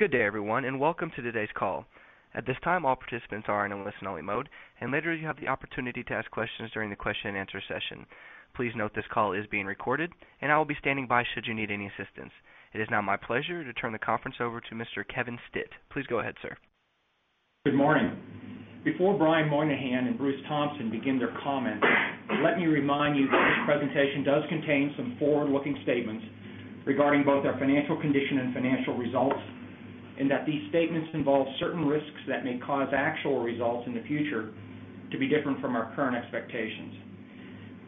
Good day, everyone, and welcome to today's call. At this time, all participants are in a listen-only mode, and later you have the opportunity to ask questions during the question and answer session. Please note this call is being recorded, and I will be standing by should you need any assistance. It is now my pleasure to turn the conference over to Mr. Kevin Stitt. Please go ahead, sir. Good morning. Before Brian Moynihan and Bruce Thompson begin their comments, let me remind you that this presentation does contain some forward-looking statements regarding both our financial condition and financial results, and that these statements involve certain risks that may cause actual results in the future to be different from our current expectations.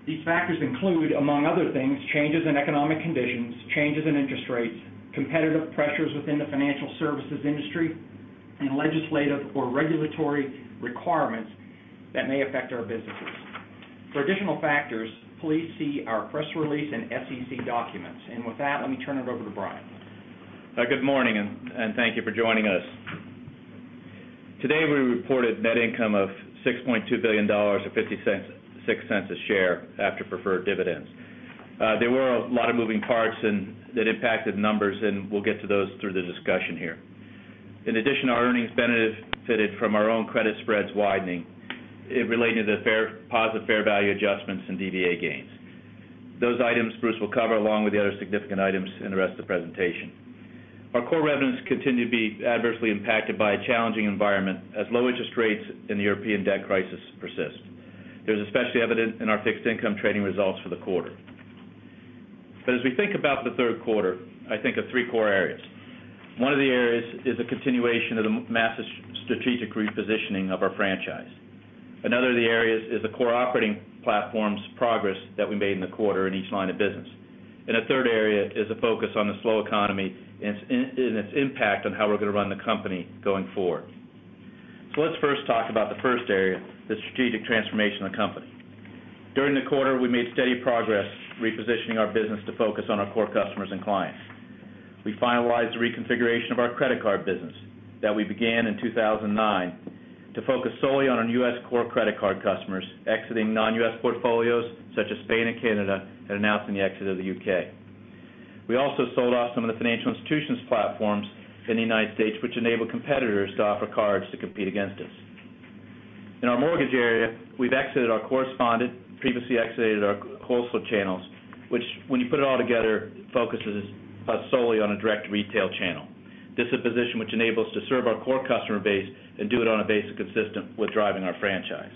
These factors include, among other things, changes in economic conditions, changes in interest rates, competitive pressures within the financial services industry, and legislative or regulatory requirements that may affect our businesses. For additional factors, please see our press release and SEC documents. With that, let me turn it over to Brian. Good morning, and thank you for joining us. Today, we reported net income of $6.2 billion or $0.50 a share after preferred dividends. There were a lot of moving parts that impacted the numbers, and we'll get to those through the discussion here. In addition, our earnings benefited from our own credit spreads widening relating to the positive fair value adjustments and DVA gains. Those items Bruce will cover, along with the other significant items in the rest of the presentation. Our core revenues continue to be adversely impacted by a challenging environment, as low interest rates and the European debt crisis persist. This is especially evident in our fixed income trading results for the quarter. As we think about the third quarter, I think of three core areas. One of the areas is a continuation of the massive strategic repositioning of our franchise. Another of the areas is the core operating platform's progress that we made in the quarter in each line of business. A third area is a focus on the slow economy and its impact on how we're going to run the company going forward. Let's first talk about the first area, the strategic transformation of the company. During the quarter, we made steady progress repositioning our business to focus on our core customers and clients. We finalized the reconfiguration of our credit card business that we began in 2009 to focus solely on our U.S. core credit card customers, exiting non-U.S. portfolios such as Spain and Canada, and announcing the exit of the U.K. We also sold off some of the financial institutions' platforms in the United States, which enabled competitors to offer cards to compete against us. In our mortgage area, we've exited our correspondent, previously exited our wholesale channels, which, when you put it all together, focuses us solely on a direct retail channel. This is a position which enables us to serve our core customer base and do it on a basis consistent with driving our franchise.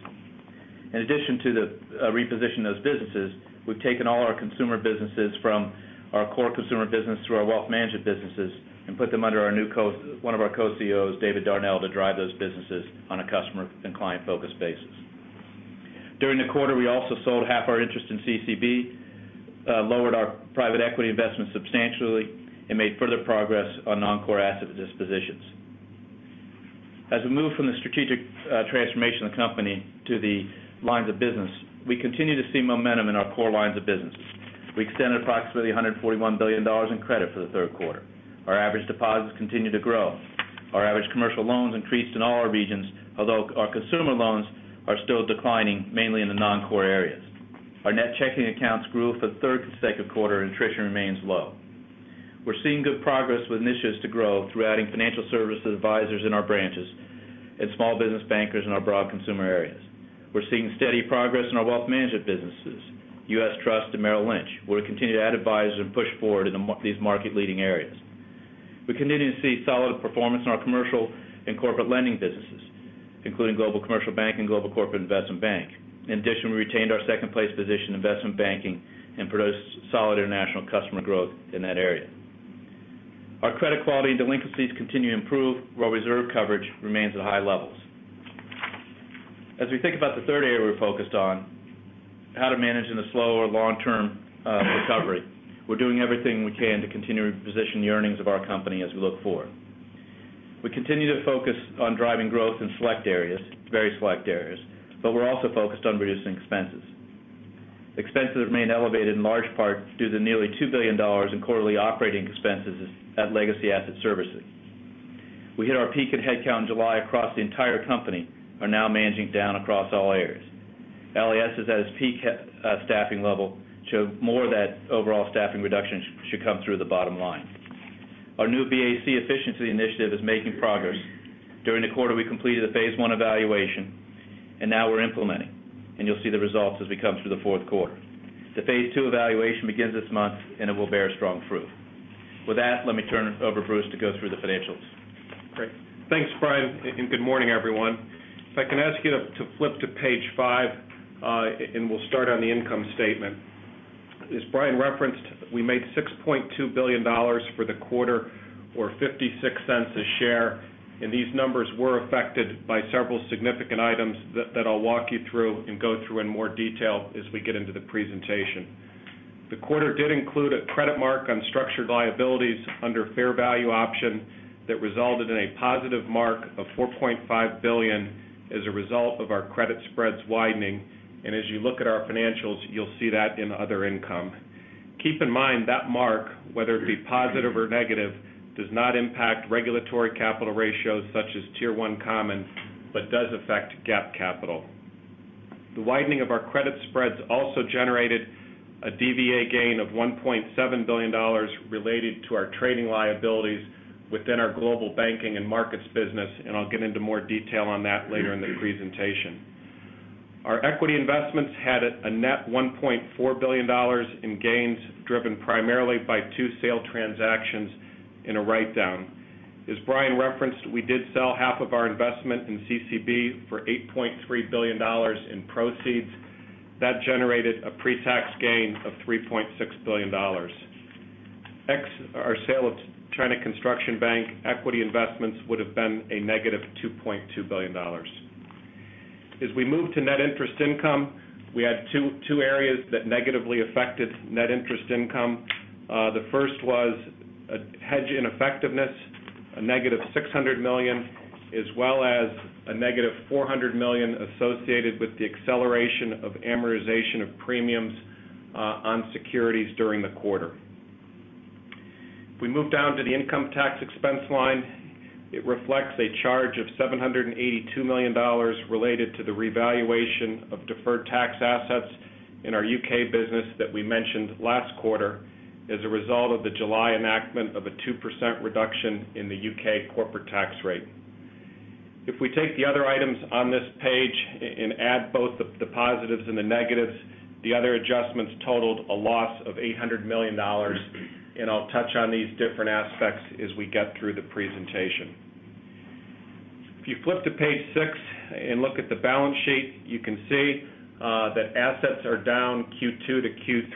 In addition to the repositioning of those businesses, we've taken all our consumer businesses from our core consumer business to our wealth management businesses and put them under one of our Co-COO, David Darnell, to drive those businesses on a customer and client-focused basis. During the quarter, we also sold half our interest in CCB, lowered our private equity investments substantially, and made further progress on non-core asset dispositions. As we move from the strategic transformation of the company to the lines of business, we continue to see momentum in our core lines of businesses. We extended approximately $141 billion in credit for the third quarter. Our average deposits continue to grow. Our average commercial loans increased in all our regions, although our consumer loans are still declining, mainly in the non-core areas. Our net checking accounts grew for the third consecutive quarter, and attrition remains low. We're seeing good progress with initiatives to grow through adding financial services advisors in our branches and small business bankers in our broad consumer areas. We're seeing steady progress in our wealth management businesses, U.S. Trust, and Merrill Lynch, where we continue to add advisors and push forward in these market-leading areas. We continue to see solid performance in our commercial and corporate lending businesses, including Global Commercial Bank and Global Corporate Investment Bank. In addition, we retained our second-place position in investment banking and produced solid international customer growth in that area. Our credit quality and delinquencies continue to improve, while reserve coverage remains at high levels. As we think about the third area we're focused on, how to manage in the slow or long-term recovery, we're doing everything we can to continue to reposition the earnings of our company as we look forward. We continue to focus on driving growth in select areas, very select areas, but we're also focused on reducing expenses. Expenses remain elevated in large part due to the nearly $2 billion in quarterly operating expenses at legacy asset servicing. We hit our peak in headcount in July across the entire company, are now managing down across all areas. Legacy Asset Servicing is at its peak staffing level, so more of that overall staffing reduction should come through the bottom line. Our New BAC efficiency initiative is making progress. During the quarter, we completed the phase I evaluation, and now we're implementing, and you'll see the results as we come through the fourth quarter. The phase II evaluation begins this month, and it will bear strong fruit. With that, let me turn it over to Bruce to go through the financials. Thanks, Brian, and good morning, everyone. If I can ask you to flip to page five, and we'll start on the income statement. As Brian referenced, we made $6.2 billion for the quarter, or $0.56 a share, and these numbers were affected by several significant items that I'll walk you through and go through in more detail as we get into the presentation. The quarter did include a credit mark on structured liabilities under fair value option that resulted in a positive mark of $4.5 billion as a result of our credit spreads widening. As you look at our financials, you'll see that in other income. Keep in mind that mark, whether it be positive or negative, does not impact regulatory capital ratios such as Tier 1 Common, but does affect GAAP capital. The widening of our credit spreads also generated a DVA gain of $1.7 billion related to our trading liabilities within our global banking and markets business, and I'll get into more detail on that later in the presentation. Our equity investments had a net $1.4 billion in gains, driven primarily by two sale transactions and a write-down. As Brian referenced, we did sell half of our investment in CCB for $8.3 billion in proceeds. That generated a pre-tax gain of $3.6 billion. Our sale of China Construction Bank equity investments would have been a -$2.2 billion. As we move to net interest income, we had two areas that negatively affected net interest income. The first was a hedge ineffectiveness, a -$600 million, as well as a -$400 million associated with the acceleration of amortization of premiums on securities during the quarter. If we move down to the income tax expense line, it reflects a charge of $782 million related to the revaluation of deferred tax assets in our U.K. business that we mentioned last quarter as a result of the July enactment of a 2% reduction in the U.K. corporate tax rate. If we take the other items on this page and add both the positives and the negatives, the other adjustments totaled a loss of $800 million, and I'll touch on these different aspects as we get through the presentation. If you flip to page six and look at the balance sheet, you can see that assets are down Q2 to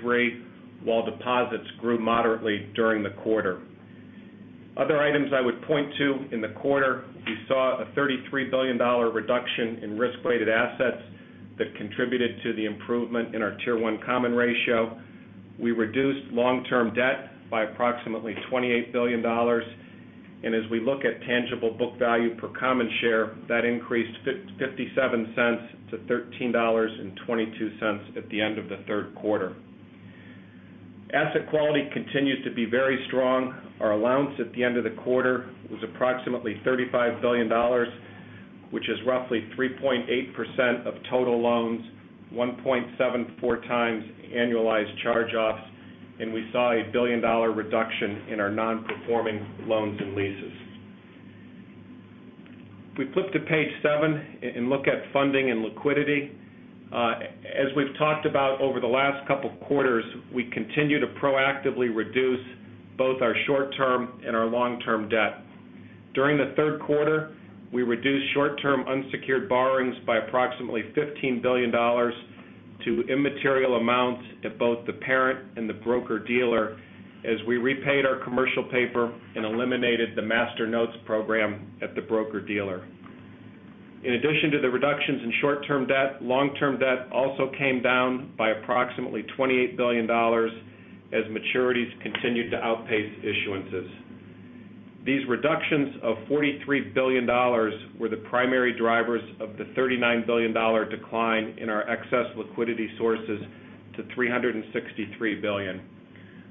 Q3, while deposits grew moderately during the quarter. Other items I would point to in the quarter, you saw a $33 billion reduction in risk-weighted assets that contributed to the improvement in our Tier 1 Common Ratio. We reduced long-term debt by approximately $28 billion, and as we look at tangible book value per common share, that increased $0.57 to $13.22 at the end of the third quarter. Asset quality continues to be very strong. Our allowance at the end of the quarter was approximately $35 billion, which is roughly 3.8% of total loans, 1.74x annualized charge-offs, and we saw a $1 billion reduction in our non-performing loans and leases. If we flip to page seven and look at funding and liquidity, as we've talked about over the last couple of quarters, we continue to proactively reduce both our short-term and our long-term debt. During the third quarter, we reduced short-term unsecured borrowings by approximately $15 billion to immaterial amounts at both the parent and the broker-dealer as we repaid our commercial paper and eliminated the Master Notes program at the broker-dealer. In addition to the reductions in short-term debt, long-term debt also came down by approximately $28 billion as maturities continued to outpace issuances. These reductions of $43 billion were the primary drivers of the $39 billion decline in our excess liquidity sources to $363 billion.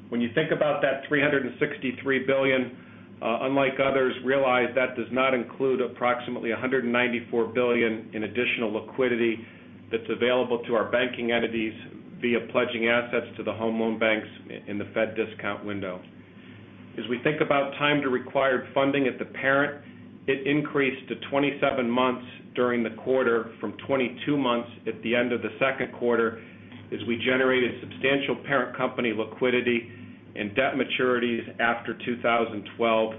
When you think about that $363 billion, unlike others, realize that does not include approximately $194 billion in additional liquidity that's available to our banking entities via pledging assets to the home loan banks in the Fed discount window. As we think about time to required funding at the parent, it increased to 27 months during the quarter from 22 months at the end of the second quarter as we generated substantial parent company liquidity, and debt maturities after 2012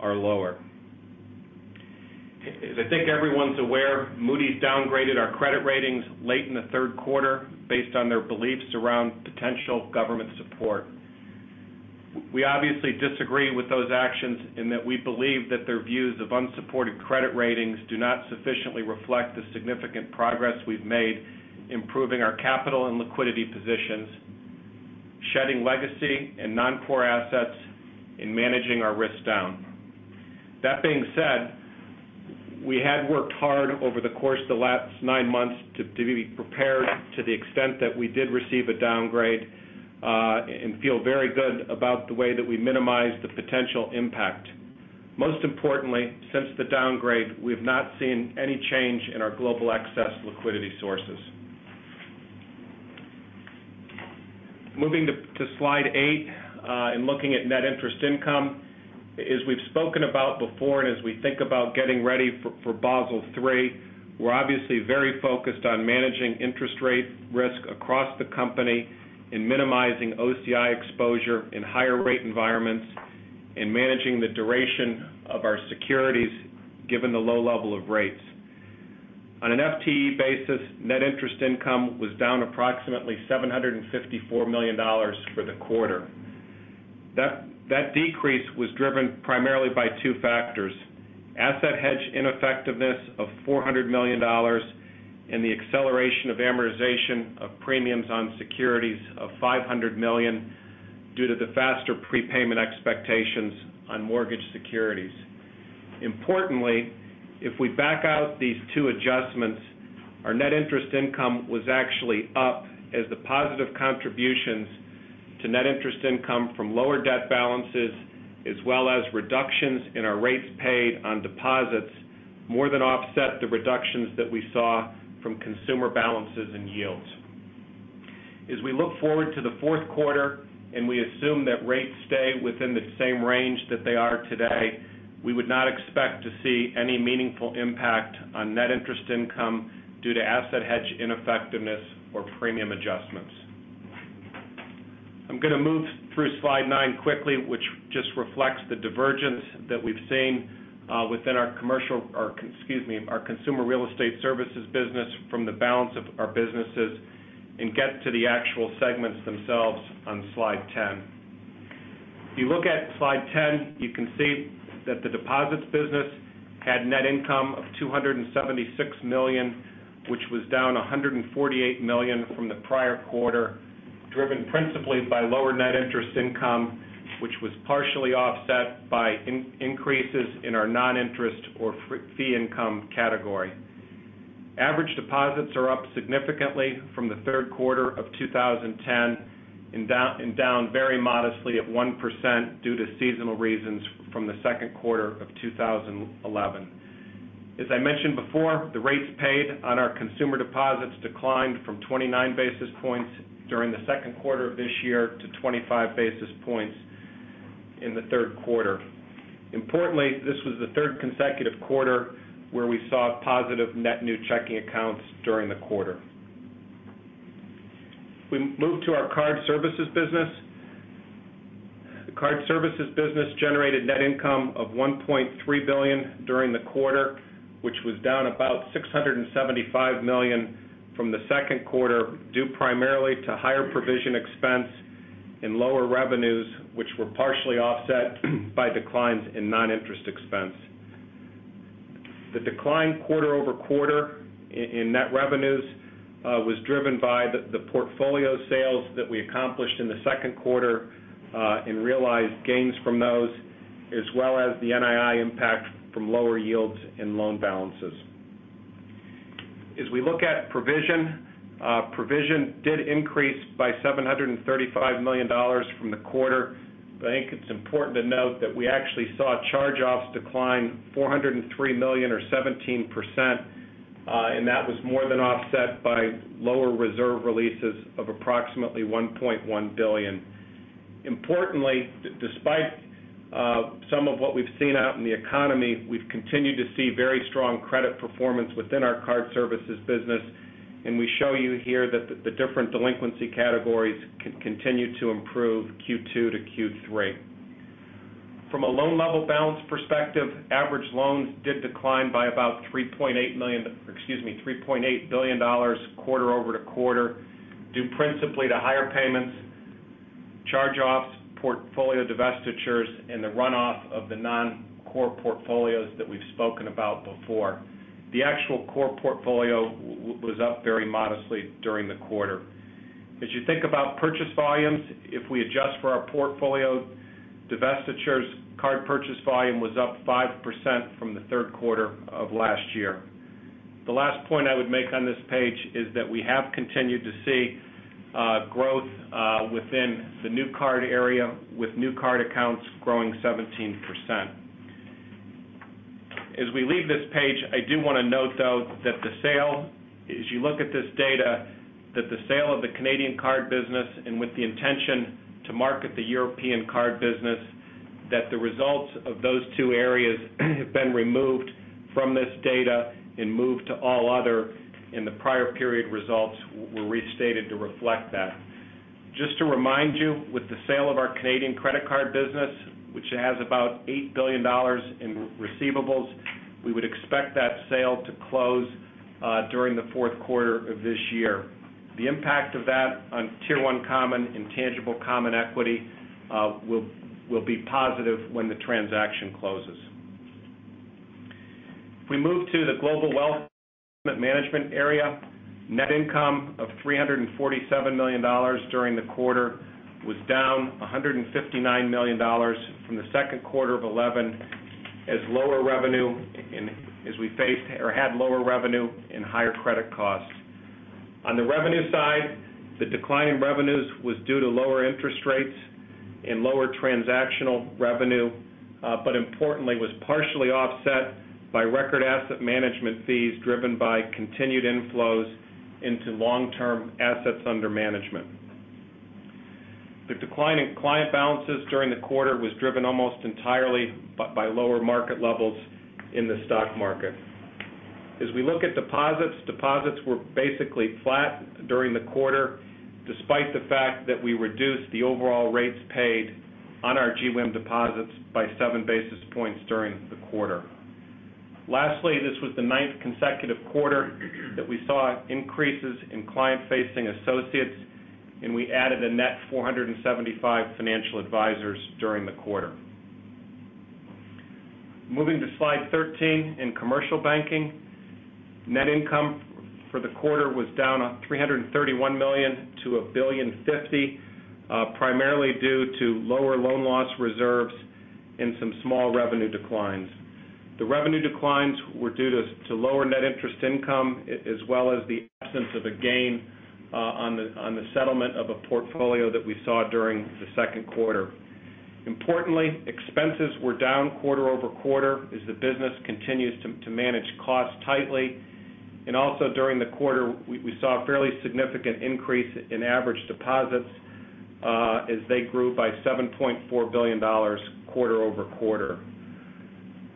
are lower. As I think everyone's aware, Moody's downgraded our credit ratings late in the third quarter based on their beliefs around potential government support. We obviously disagree with those actions in that we believe that their views of unsupported credit ratings do not sufficiently reflect the significant progress we've made improving our capital and liquidity positions, shedding legacy and non-core assets, and managing our risk down. That being said, we had worked hard over the course of the last nine months to be prepared to the extent that we did receive a downgrade and feel very good about the way that we minimized the potential impact. Most importantly, since the downgrade, we have not seen any change in our global excess liquidity sources. Moving to slide eight and looking at net interest income, as we've spoken about before and as we think about getting ready for Basel III, we're obviously very focused on managing interest rate risk across the company and minimizing OCI exposure in higher rate environments and managing the duration of our securities given the low level of rates. On an FTE basis, net interest income was down approximately $754 million for the quarter. That decrease was driven primarily by two factors, asset hedge ineffectiveness of $400 million and the acceleration of amortization of premiums on securities of $500 million due to the faster prepayment expectations on mortgage securities. Importantly, if we back out these two adjustments, our net interest income was actually up as the positive contributions to net interest income from lower debt balances, as well as reductions in our rates paid on deposits, more than offset the reductions that we saw from consumer balances and yields. As we look forward to the fourth quarter and we assume that rates stay within the same range that they are today, we would not expect to see any meaningful impact on net interest income due to asset hedge ineffectiveness or premium adjustments. I'm going to move through slide nine quickly, which just reflects the divergence that we've seen within our consumer real estate services business from the balance of our businesses and get to the actual segments themselves on slide 10. If you look at slide 10, you can see that the deposits business had net income of $276 million, which was down $148 million from the prior quarter, driven principally by lower net interest income, which was partially offset by increases in our non-interest or fee income category. Average deposits are up significantly from the third quarter of 2010 and down very modestly at 1% due to seasonal reasons from the second quarter of 2011. As I mentioned before, the rates paid on our consumer deposits declined from 29 basis points during the second quarter of this year to 25 basis points in the third quarter. Importantly, this was the third consecutive quarter where we saw positive net new checking accounts during the quarter. If we move to our card services business, the card services business generated net income of $1.3 billion during the quarter, which was down about $675 million from the second quarter, due primarily to higher provision expense and lower revenues, which were partially offset by declines in non-interest expense. The decline quarter-over-quarter in net revenues was driven by the portfolio sales that we accomplished in the second quarter and realized gains from those, as well as the NII impact from lower yields and loan balances. As we look at provision, provision did increase by $735 million from the quarter. I think it's important to note that we actually saw charge-offs decline $403 million or 17%, and that was more than offset by lower reserve releases of approximately $1.1 billion. Importantly, despite some of what we've seen out in the economy, we've continued to see very strong credit performance within our card services business, and we show you here that the different delinquency categories continue to improve Q2 to Q3. From a loan level balance perspective, average loans did decline by about $3.8 billion quarter over to quarter, due principally to higher payments, charge-offs, portfolio divestitures, and the runoff of the non-core portfolios that we've spoken about before. The actual core portfolio was up very modestly during the quarter. As you think about purchase volumes, if we adjust for our portfolio divestitures, card purchase volume was up 5% from the third quarter of last year. The last point I would make on this page is that we have continued to see growth within the new card area with new card accounts growing 17%. As we leave this page, I do want to note, though, that the sale, as you look at this data, that the sale of the Canadian card business and with the intention to market the European card business, that the results of those two areas have been removed from this data and moved to all other, and the prior period results were restated to reflect that. Just to remind you, with the sale of our Canadian credit card business, which has about $8 billion in receivables, we would expect that sale to close during the fourth quarter of this year. The impact of that on Tier 1 Common and Tangible Common Equity will be positive when the transaction closes. If we move to the Global Wealth Management area, net income of $347 million during the quarter was down $159 million from the second quarter of 2011, as we faced lower revenue and higher credit costs. On the revenue side, the decline in revenues was due to lower interest rates and lower transactional revenue, but importantly, was partially offset by record asset management fees driven by continued inflows into long-term assets under management. The decline in client balances during the quarter was driven almost entirely by lower market levels in the stock market. As we look at deposits, deposits were basically flat during the quarter, despite the fact that we reduced the overall rates paid on our GWIM deposits by 7 basis points during the quarter. Lastly, this was the ninth consecutive quarter that we saw increases in client-facing associates, and we added a net 475 financial advisors during the quarter. Moving to slide 13 in Commercial Banking, net income for the quarter was down $331 million to $1.5 billion, primarily due to lower loan loss reserves and some small revenue declines. The revenue declines were due to lower net interest income, as well as the absence of a gain on the settlement of a portfolio that we saw during the second quarter. Importantly, expenses were down quarter-over-quarter as the business continues to manage costs tightly, and also during the quarter, we saw a fairly significant increase in average deposits as they grew by $7.4 billion quarter-over-quarter.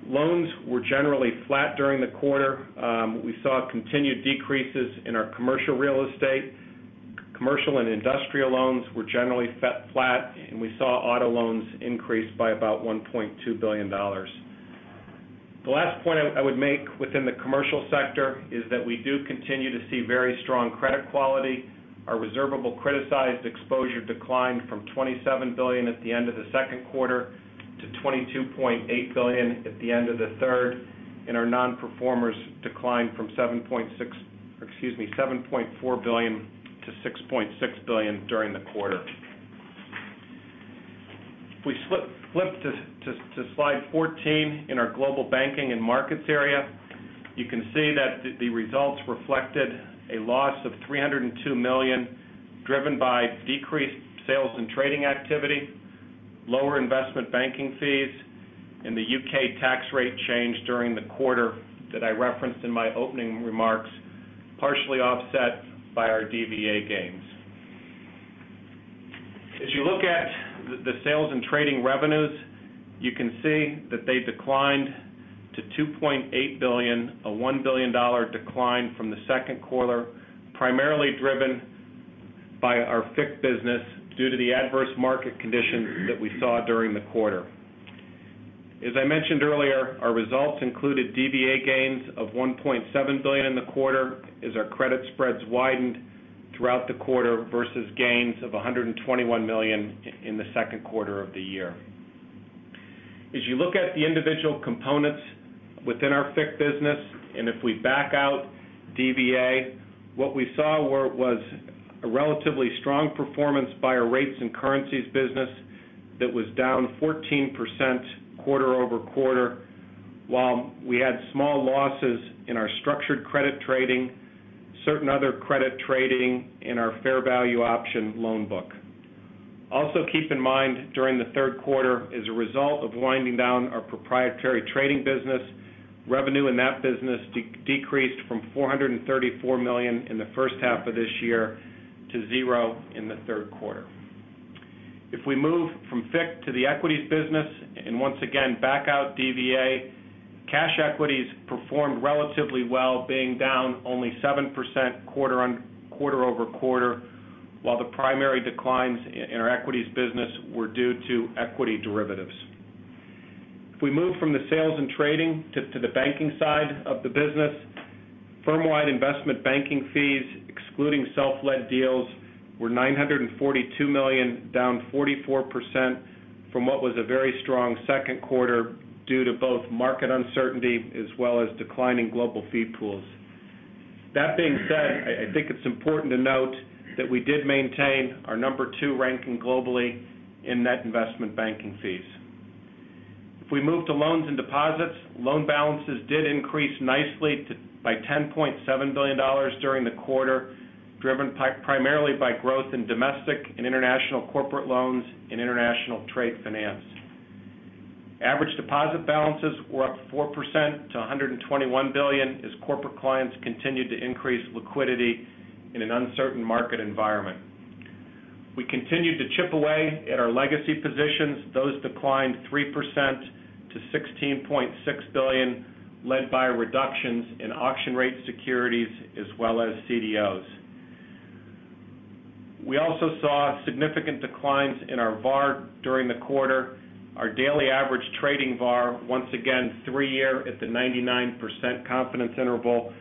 Loans were generally flat during the quarter. We saw continued decreases in our commercial real estate. Commercial and industrial loans were generally flat, and we saw auto loans increase by about $1.2 billion. The last point I would make within the commercial sector is that we do continue to see very strong credit quality. Our reservable criticized exposure declined from $27 billion at the end of the second quarter to $22.8 billion at the end of the third, and our non-performers declined from $7.4 billion to $6.6 billion during the quarter. If we flip to slide 14 in our Global Banking and Markets area, you can see that the results reflected a loss of $302 million driven by decreased sales and trading activity, lower investment banking fees, and the U.K. tax rate change during the quarter that I referenced in my opening remarks, partially offset by our DVA gains. As you look at the sales and trading revenues, you can see that they declined to $2.8 billion, a $1 billion decline from the second quarter, primarily driven by our fixed business due to the adverse market conditions that we saw during the quarter. As I mentioned earlier, our results included DVA gains of $1.7 billion in the quarter as our credit spreads widened throughout the quarter versus gains of $121 million in the second quarter of the year. As you look at the individual components within our fixed business, and if we back out DVA, what we saw was a relatively strong performance by our rates and currencies business that was down 14% quarter-over-quarter, while we had small losses in our structured credit trading, certain other credit trading, and our fair value option loan book. Also, keep in mind during the third quarter, as a result of winding down our proprietary trading business, revenue in that business decreased from $434 million in the first half of this year to $0 million in the third quarter. If we move from fixed to the equities business, and once again back out DVA, cash equities performed relatively well, being down only 7% quarter-over-quarter, while the primary declines in our equities business were due to equity derivatives. If we move from the sales and trading to the banking side of the business, firm-wide investment banking fees, excluding self-led deals, were $942 million, down 44% from what was a very strong second quarter due to both market uncertainty as well as declining global fee pools. That being said, I think it's important to note that we did maintain our number two ranking globally in net investment banking fees. If we move to loans and deposits, loan balances did increase nicely by $10.7 billion during the quarter, driven primarily by growth in domestic and international corporate loans and international trade finance. Average deposit balances were up 4% to $121 billion as corporate clients continued to increase liquidity in an uncertain market environment. We continued to chip away at our legacy positions. Those declined 3% to $16.6 billion, led by reductions in auction rate securities as well as CDOs. We also saw significant declines in our VAR during the quarter. Our daily average trading VAR, once again three-year at the 99% confidence interval,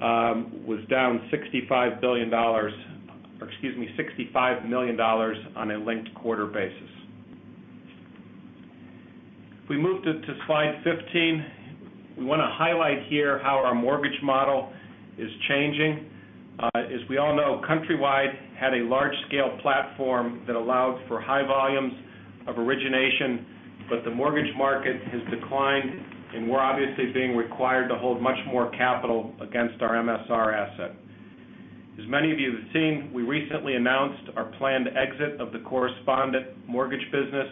was down $65 million, on a linked quarter basis. If we move to slide 15, we want to highlight here how our mortgage model is changing. As we all know, Countrywide had a large-scale platform that allowed for high volumes of origination, but the mortgage market has declined, and we're obviously being required to hold much more capital against our MSR asset. As many of you have seen, we recently announced our planned exit of the correspondent mortgage business,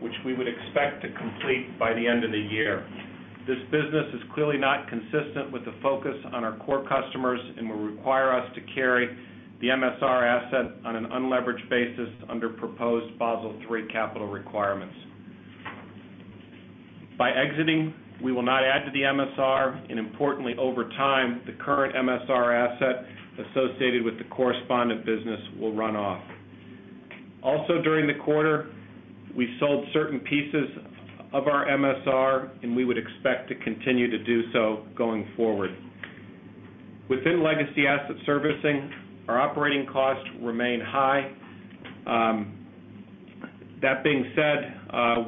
which we would expect to complete by the end of the year. This business is clearly not consistent with the focus on our core customers and will require us to carry the MSR asset on an unleveraged basis under proposed Basel III capital requirements. By exiting, we will not add to the MSR, and importantly, over time, the current MSR asset associated with the correspondent business will run off. Also, during the quarter, we sold certain pieces of our MSR, and we would expect to continue to do so going forward. Within legacy asset servicing, our operating costs remain high. That being said,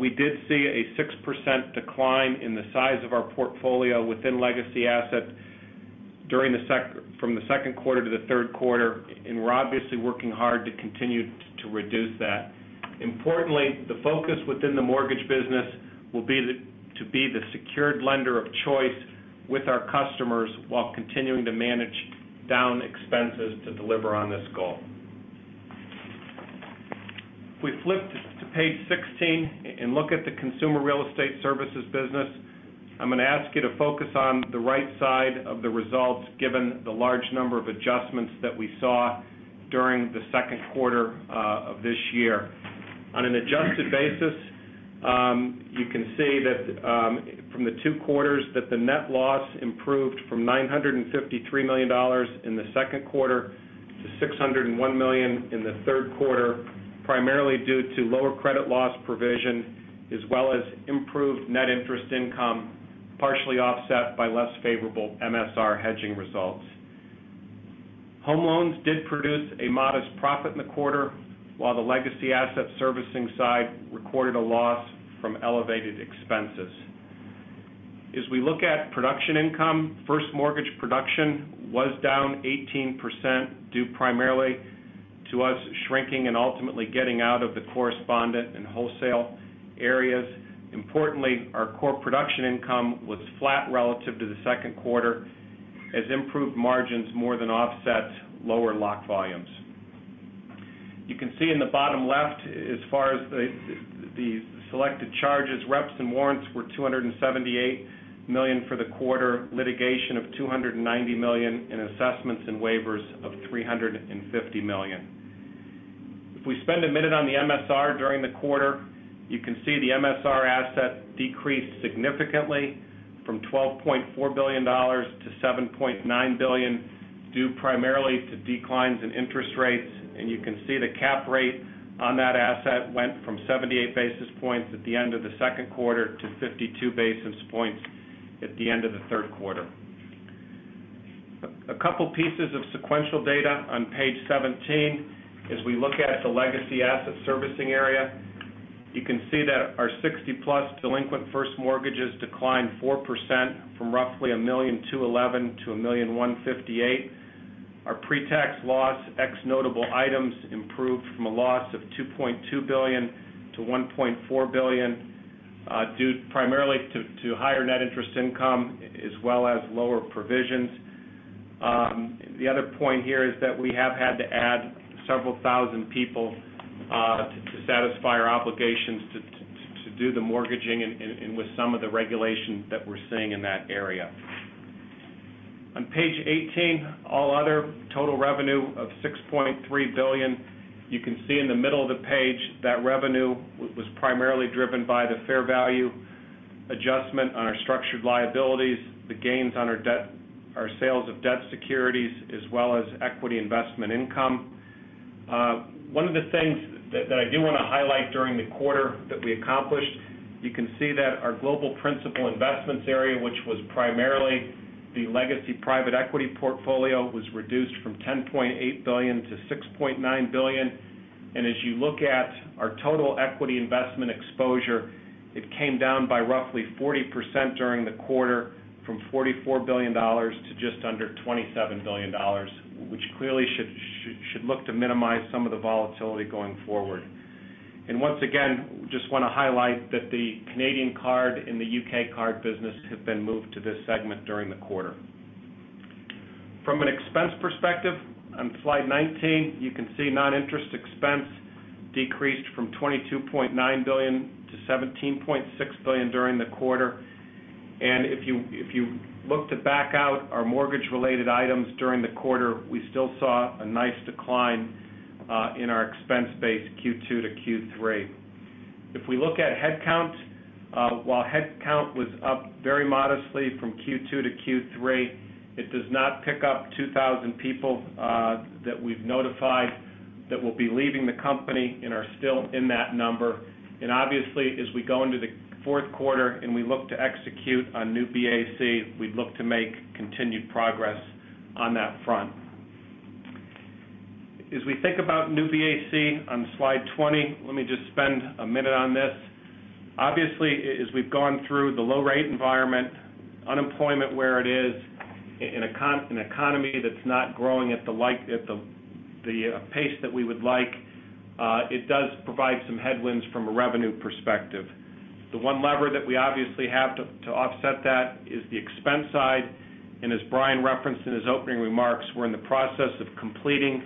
we did see a 6% decline in the size of our portfolio within legacy asset from the second quarter to the third quarter, and we're obviously working hard to continue to reduce that. Importantly, the focus within the mortgage business will be to be the secured lender of choice with our customers while continuing to manage down expenses to deliver on this goal. If we flip to page 16 and look at the consumer real estate services business, I'm going to ask you to focus on the right side of the results given the large number of adjustments that we saw during the second quarter of this year. On an adjusted basis, you can see that from the two quarters that the net loss improved from $953 million in the second quarter to $601 million in the third quarter, primarily due to lower credit loss provision as well as improved net interest income, partially offset by less favorable MSR hedging results. Home loans did produce a modest profit in the quarter, while the legacy asset servicing side recorded a loss from elevated expenses. As we look at production income, first mortgage production was down 18% due primarily to us shrinking and ultimately getting out of the correspondent and wholesale areas. Importantly, our core production income was flat relative to the second quarter as improved margins more than offset lower lock volumes. You can see in the bottom left, as far as the selected charges, reps and warrants were $278 million for the quarter, litigation of $290 million, and assessments and waivers of $350 million. If we spend a minute on the MSR during the quarter, you can see the MSR asset decreased significantly from $12.4 billion to $7.9 billion, due primarily to declines in interest rates, and you can see the cap rate on that asset went from 78 basis points at the end of the second quarter to 52 basis points at the end of the third quarter. A couple of pieces of sequential data on page 17. As we look at the legacy asset servicing area, you can see that our 60+ delinquent first mortgages declined 4% from roughly $1,211,000 to $1,158,000. Our pre-tax loss ex notable items improved from a loss of $2.2 billion to $1.4 billion, due primarily to higher net interest income as well as lower provisions. The other point here is that we have had to add several thousand people to satisfy our obligations to do the mortgaging and with some of the regulation that we're seeing in that area. On page 18, all other total revenue of $6.3 billion, you can see in the middle of the page that revenue was primarily driven by the fair value adjustment on our structured liabilities, the gains on our sales of debt securities, as well as equity investment income. One of the things that I do want to highlight during the quarter that we accomplished, you can see that our global principal investments area, which was primarily the legacy private equity portfolio, was reduced from $10.8 billion to $6.9 billion. As you look at our total equity investment exposure, it came down by roughly 40% during the quarter from $44 billion to just under $27 billion, which clearly should look to minimize some of the volatility going forward. I just want to highlight that the Canadian card and the U.K. card business have been moved to this segment during the quarter. From an expense perspective, on slide 19, you can see non-interest expense decreased from $22.9 billion to $17.6 billion during the quarter. If you look to back out our mortgage-related items during the quarter, we still saw a nice decline in our expense base Q2 to Q3. If we look at headcount, while headcount was up very modestly from Q2 to Q3, it does not pick up 2,000 people that we've notified that will be leaving the company and are still in that number. Obviously, as we go into the fourth quarter and we look to execute on New BAC, we'd look to make continued progress on that front. As we think about New BAC on slide 20, let me just spend a minute on this. Obviously, as we've gone through the low-rate environment, unemployment where it is, in an economy that's not growing at the pace that we would like, it does provide some headwinds from a revenue perspective. The one lever that we obviously have to offset that is the expense side. As Brian referenced in his opening remarks, we're in the process of completing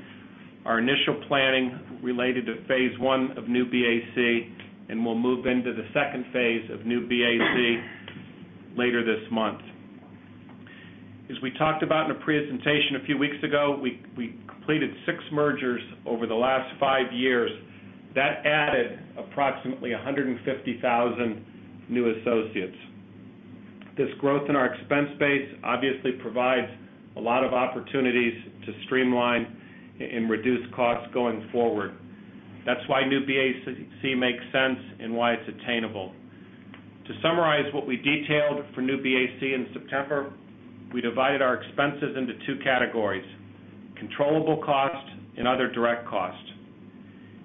our initial planning related to phase I of New BAC, and we'll move into the second phase of New BAC later this month. As we talked about in a presentation a few weeks ago, we completed six mergers over the last five years. That added approximately 150,000 new associates. This growth in our expense base obviously provides a lot of opportunities to streamline and reduce costs going forward. That's why New BAC makes sense and why it's attainable. To summarize what we detailed for New BAC in September, we divided our expenses into two categories: controllable cost and other direct cost.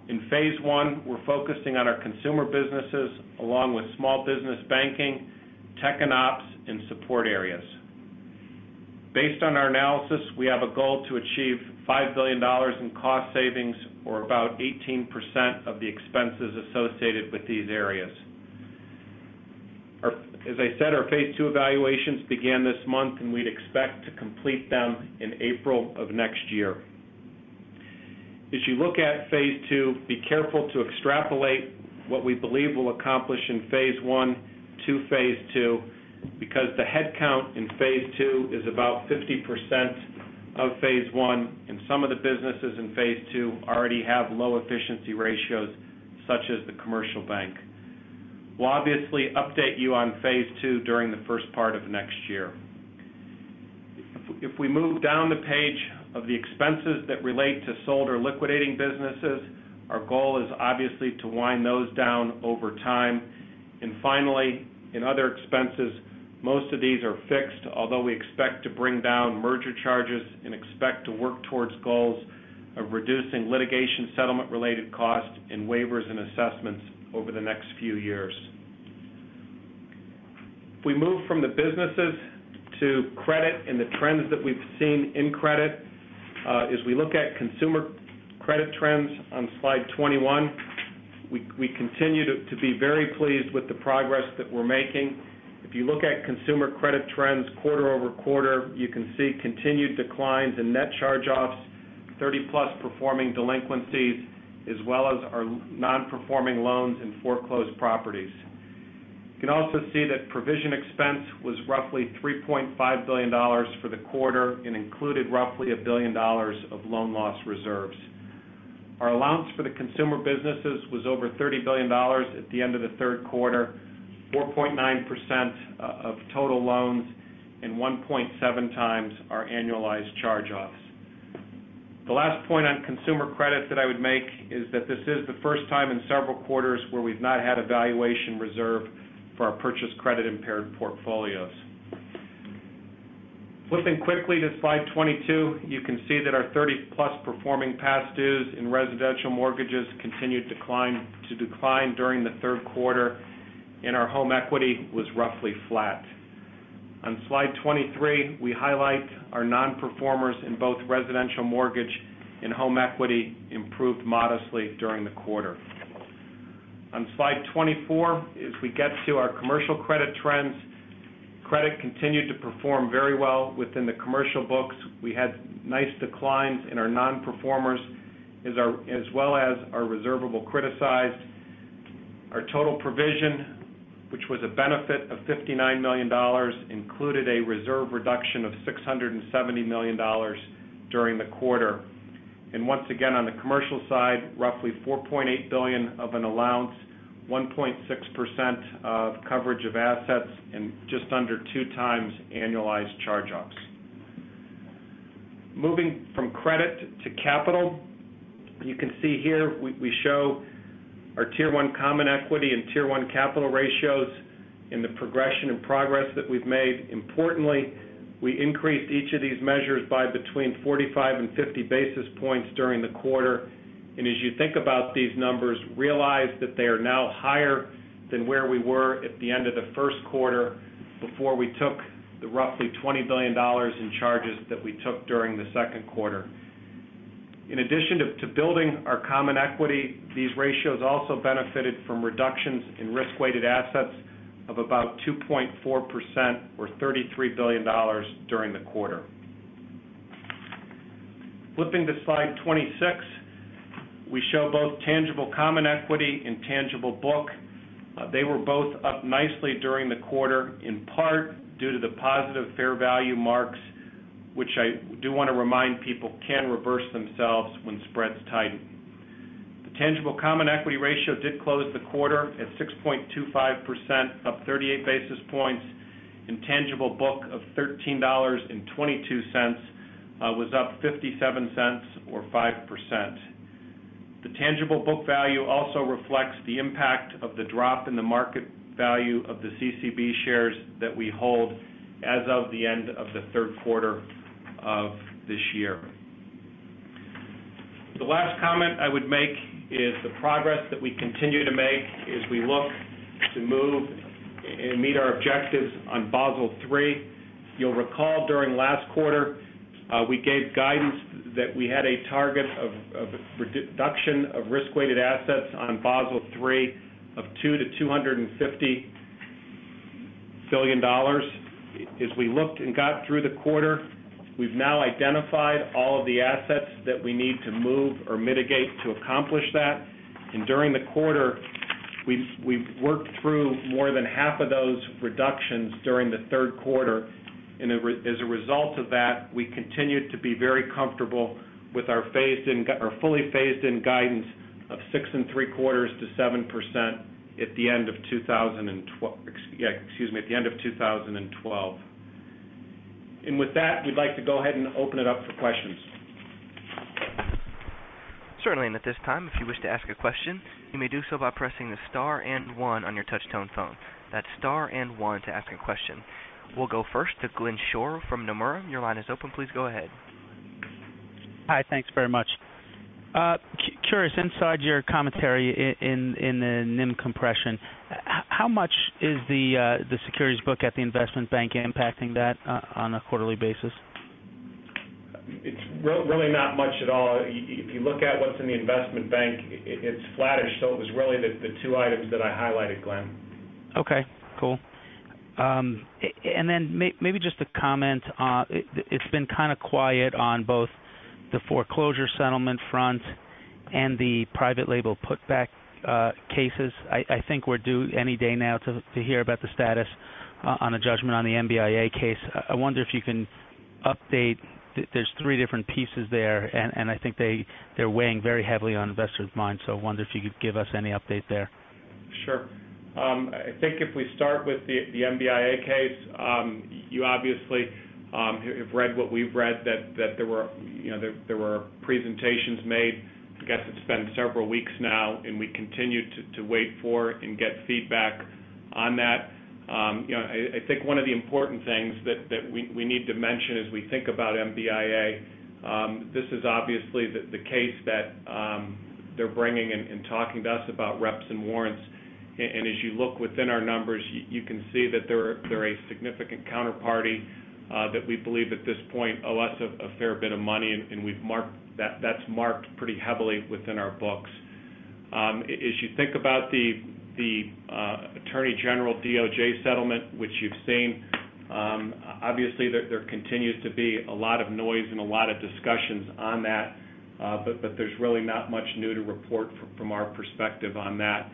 In phase I, we're focusing on our consumer businesses along with small business banking, tech and ops, and support areas. Based on our analysis, we have a goal to achieve $5 billion in cost savings or about 18% of the expenses associated with these areas. As I said, our phase II evaluations began this month, and we'd expect to complete them in April of next year. As you look at phase II, be careful to extrapolate what we believe we'll accomplish in phase I to phase II because the headcount in phase II is about 50% of phase I, and some of the businesses in phase II already have low efficiency ratios such as the commercial bank. We'll obviously update you on phase II during the first part of next year. If we move down the page of the expenses that relate to sold or liquidating businesses, our goal is obviously to wind those down over time. Finally, in other expenses, most of these are fixed, although we expect to bring down merger charges and expect to work towards goals of reducing litigation settlement-related costs and waivers and assessments over the next few years. If we move from the businesses to credit and the trends that we've seen in credit, as we look at consumer credit trends on slide 21, we continue to be very pleased with the progress that we're making. If you look at consumer credit trends quarter-over-quarter, you can see continued declines in net charge-offs, 30+ performing delinquencies, as well as our non-performing loans and foreclosed properties. You can also see that provision expense was roughly $3.5 billion for the quarter and included roughly $1 billion of loan loss reserves. Our allowance for the consumer businesses was over $30 billion at the end of the third quarter, 4.9% of total loans and 1.7x our annualized charge-offs. The last point on consumer credit that I would make is that this is the first time in several quarters where we've not had a valuation reserve for our purchased credit-impaired portfolios. Moving quickly to slide 22, you can see that our 30+ performing past dues in residential mortgages continued to decline during the third quarter, and our home equity was roughly flat. On slide 23, we highlight our non-performers in both residential mortgage and home equity improved modestly during the quarter. On slide 24, as we get to our commercial credit trends, credit continued to perform very well within the commercial books. We had nice declines in our non-performers as well as our reservable criticized. Our total provision, which was a benefit of $59 million, included a reserve reduction of $670 million during the quarter. Once again, on the commercial side, roughly $4.8 billion of an allowance, 1.6% of coverage of assets, and just under two times annualized charge-offs. Moving from credit to capital, you can see here we show our Tier 1 Common Equity and Tier 1 Capital ratios and the progression and progress that we've made. Importantly, we increased each of these measures by between 45 basis points and 50 basis points during the quarter. As you think about these numbers, realize that they are now higher than where we were at the end of the first quarter before we took the roughly $20 billion in charges that we took during the second quarter. In addition to building our common equity, these ratios also benefited from reductions in risk-weighted assets of about 2.4% or $33 billion during the quarter. Flipping to slide 26, we show both Tangible Common Equity and Tangible Book. They were both up nicely during the quarter, in part due to the positive fair value marks, which I do want to remind people can reverse themselves when spreads tighten. The Tangible Common Equity ratio did close the quarter at 6.25%, up 38 basis points, and Tangible Book of $13.22 was up $0.57 or 5%. The Tangible Book value also reflects the impact of the drop in the market value of the CCB shares that we hold as of the end of the third quarter of this year. The last comment I would make is the progress that we continue to make as we look to move and meet our objectives on Basel III. You'll recall during last quarter, we gave guidance that we had a target of reduction of risk-weighted assets on Basel III of $200 billion-$250 billion. As we looked and got through the quarter, we've now identified all of the assets that we need to move or mitigate to accomplish that. During the quarter, we've worked through more than half of those reductions during the third quarter. As a result of that, we continued to be very comfortable with our fully phased-in guidance of 6.75%-7% at the end of 2012. With that, you'd like to go ahead and open it up for questions. Certainly. At this time, if you wish to ask a question, you may do so by pressing the star and one on your touch-tone phone. That's star and one to ask a question. We'll go first to Glenn Schorr from Nomura. Your line is open. Please go ahead. Hi. Thanks very much. Curious, inside your commentary in the NIM compression, how much is the securities book at the investment bank impacting that on a quarterly basis? It's really not much at all. If you look at what's in the investment bank, it's flattish. It was really the two items that I highlighted, Glenn. Okay. Cool. Maybe just a comment. It's been kind of quiet on both the foreclosure settlement front and the private label putback cases. I think we're due any day now to hear about the status on a judgment on the MBIA case. I wonder if you can update. There are three different pieces there, and I think they're weighing very heavily on investors' minds. I wonder if you could give us any update there. Sure. I think if we start with the MBIA case, you obviously have read what we've read, that there were presentations made. I guess it's been several weeks now, and we continue to wait for and get feedback on that. I think one of the important things that we need to mention as we think about MBIA, this is obviously the case that they're bringing and talking to us about reps and warrants. As you look within our numbers, you can see that they're a significant counterparty that we believe at this point owes a fair bit of money, and we've marked that pretty heavily within our books. As you think about the Attorney General DOJ settlement, which you've seen, obviously there continues to be a lot of noise and a lot of discussions on that, but there's really not much new to report from our perspective on that.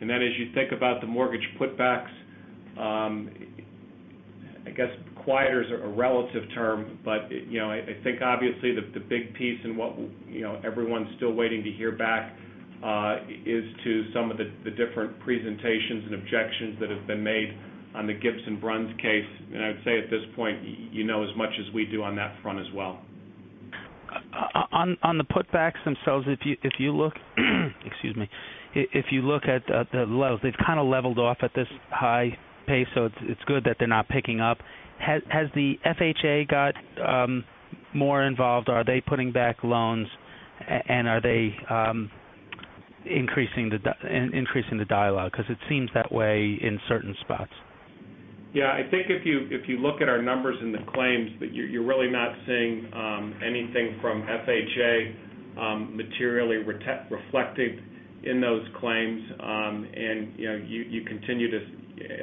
As you think about the mortgage putbacks, I guess quieter is a relative term, but I think obviously the big piece and what everyone's still waiting to hear back is to some of the different presentations and objections that have been made on the Gibbs & Bruns case. I would say at this point, you know as much as we do on that front as well. On the putbacks themselves, if you look at the levels, they've kind of leveled off at this high pace, so it's good that they're not picking up. Has the FHA got more involved? Are they putting back loans, and are they increasing the dialogue? Because it seems that way in certain spots. Yeah. I think if you look at our numbers in the claims, you're really not seeing anything from FHA materially reflected in those claims. You continue to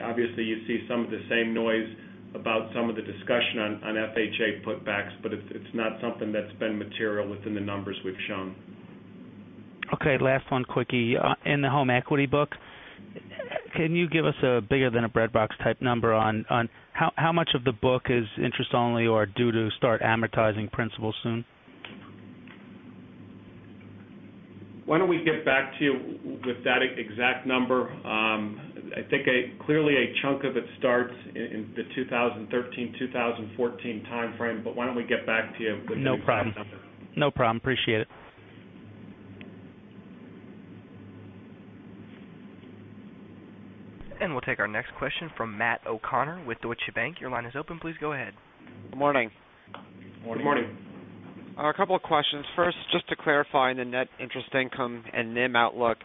obviously see some of the same noise about some of the discussion on FHA putbacks, but it's not something that's been material within the numbers we've shown. Okay. Last one quickly. In the home equity book, can you give us a bigger than a breadbox type number on how much of the book is interest only or due to start amortizing principal soon? Why don't we get back to you with that exact number? I think clearly a chunk of it starts in the 2013, 2014 timeframe, but why don't we get back to you with that exact number? No problem. Appreciate it. We will take our next question from Matt O'Connor with Deutsche Bank. Your line is open. Please go ahead. Good morning. Morning. Morning. A couple of questions. First, just to clarify the net interest income and NIM outlook,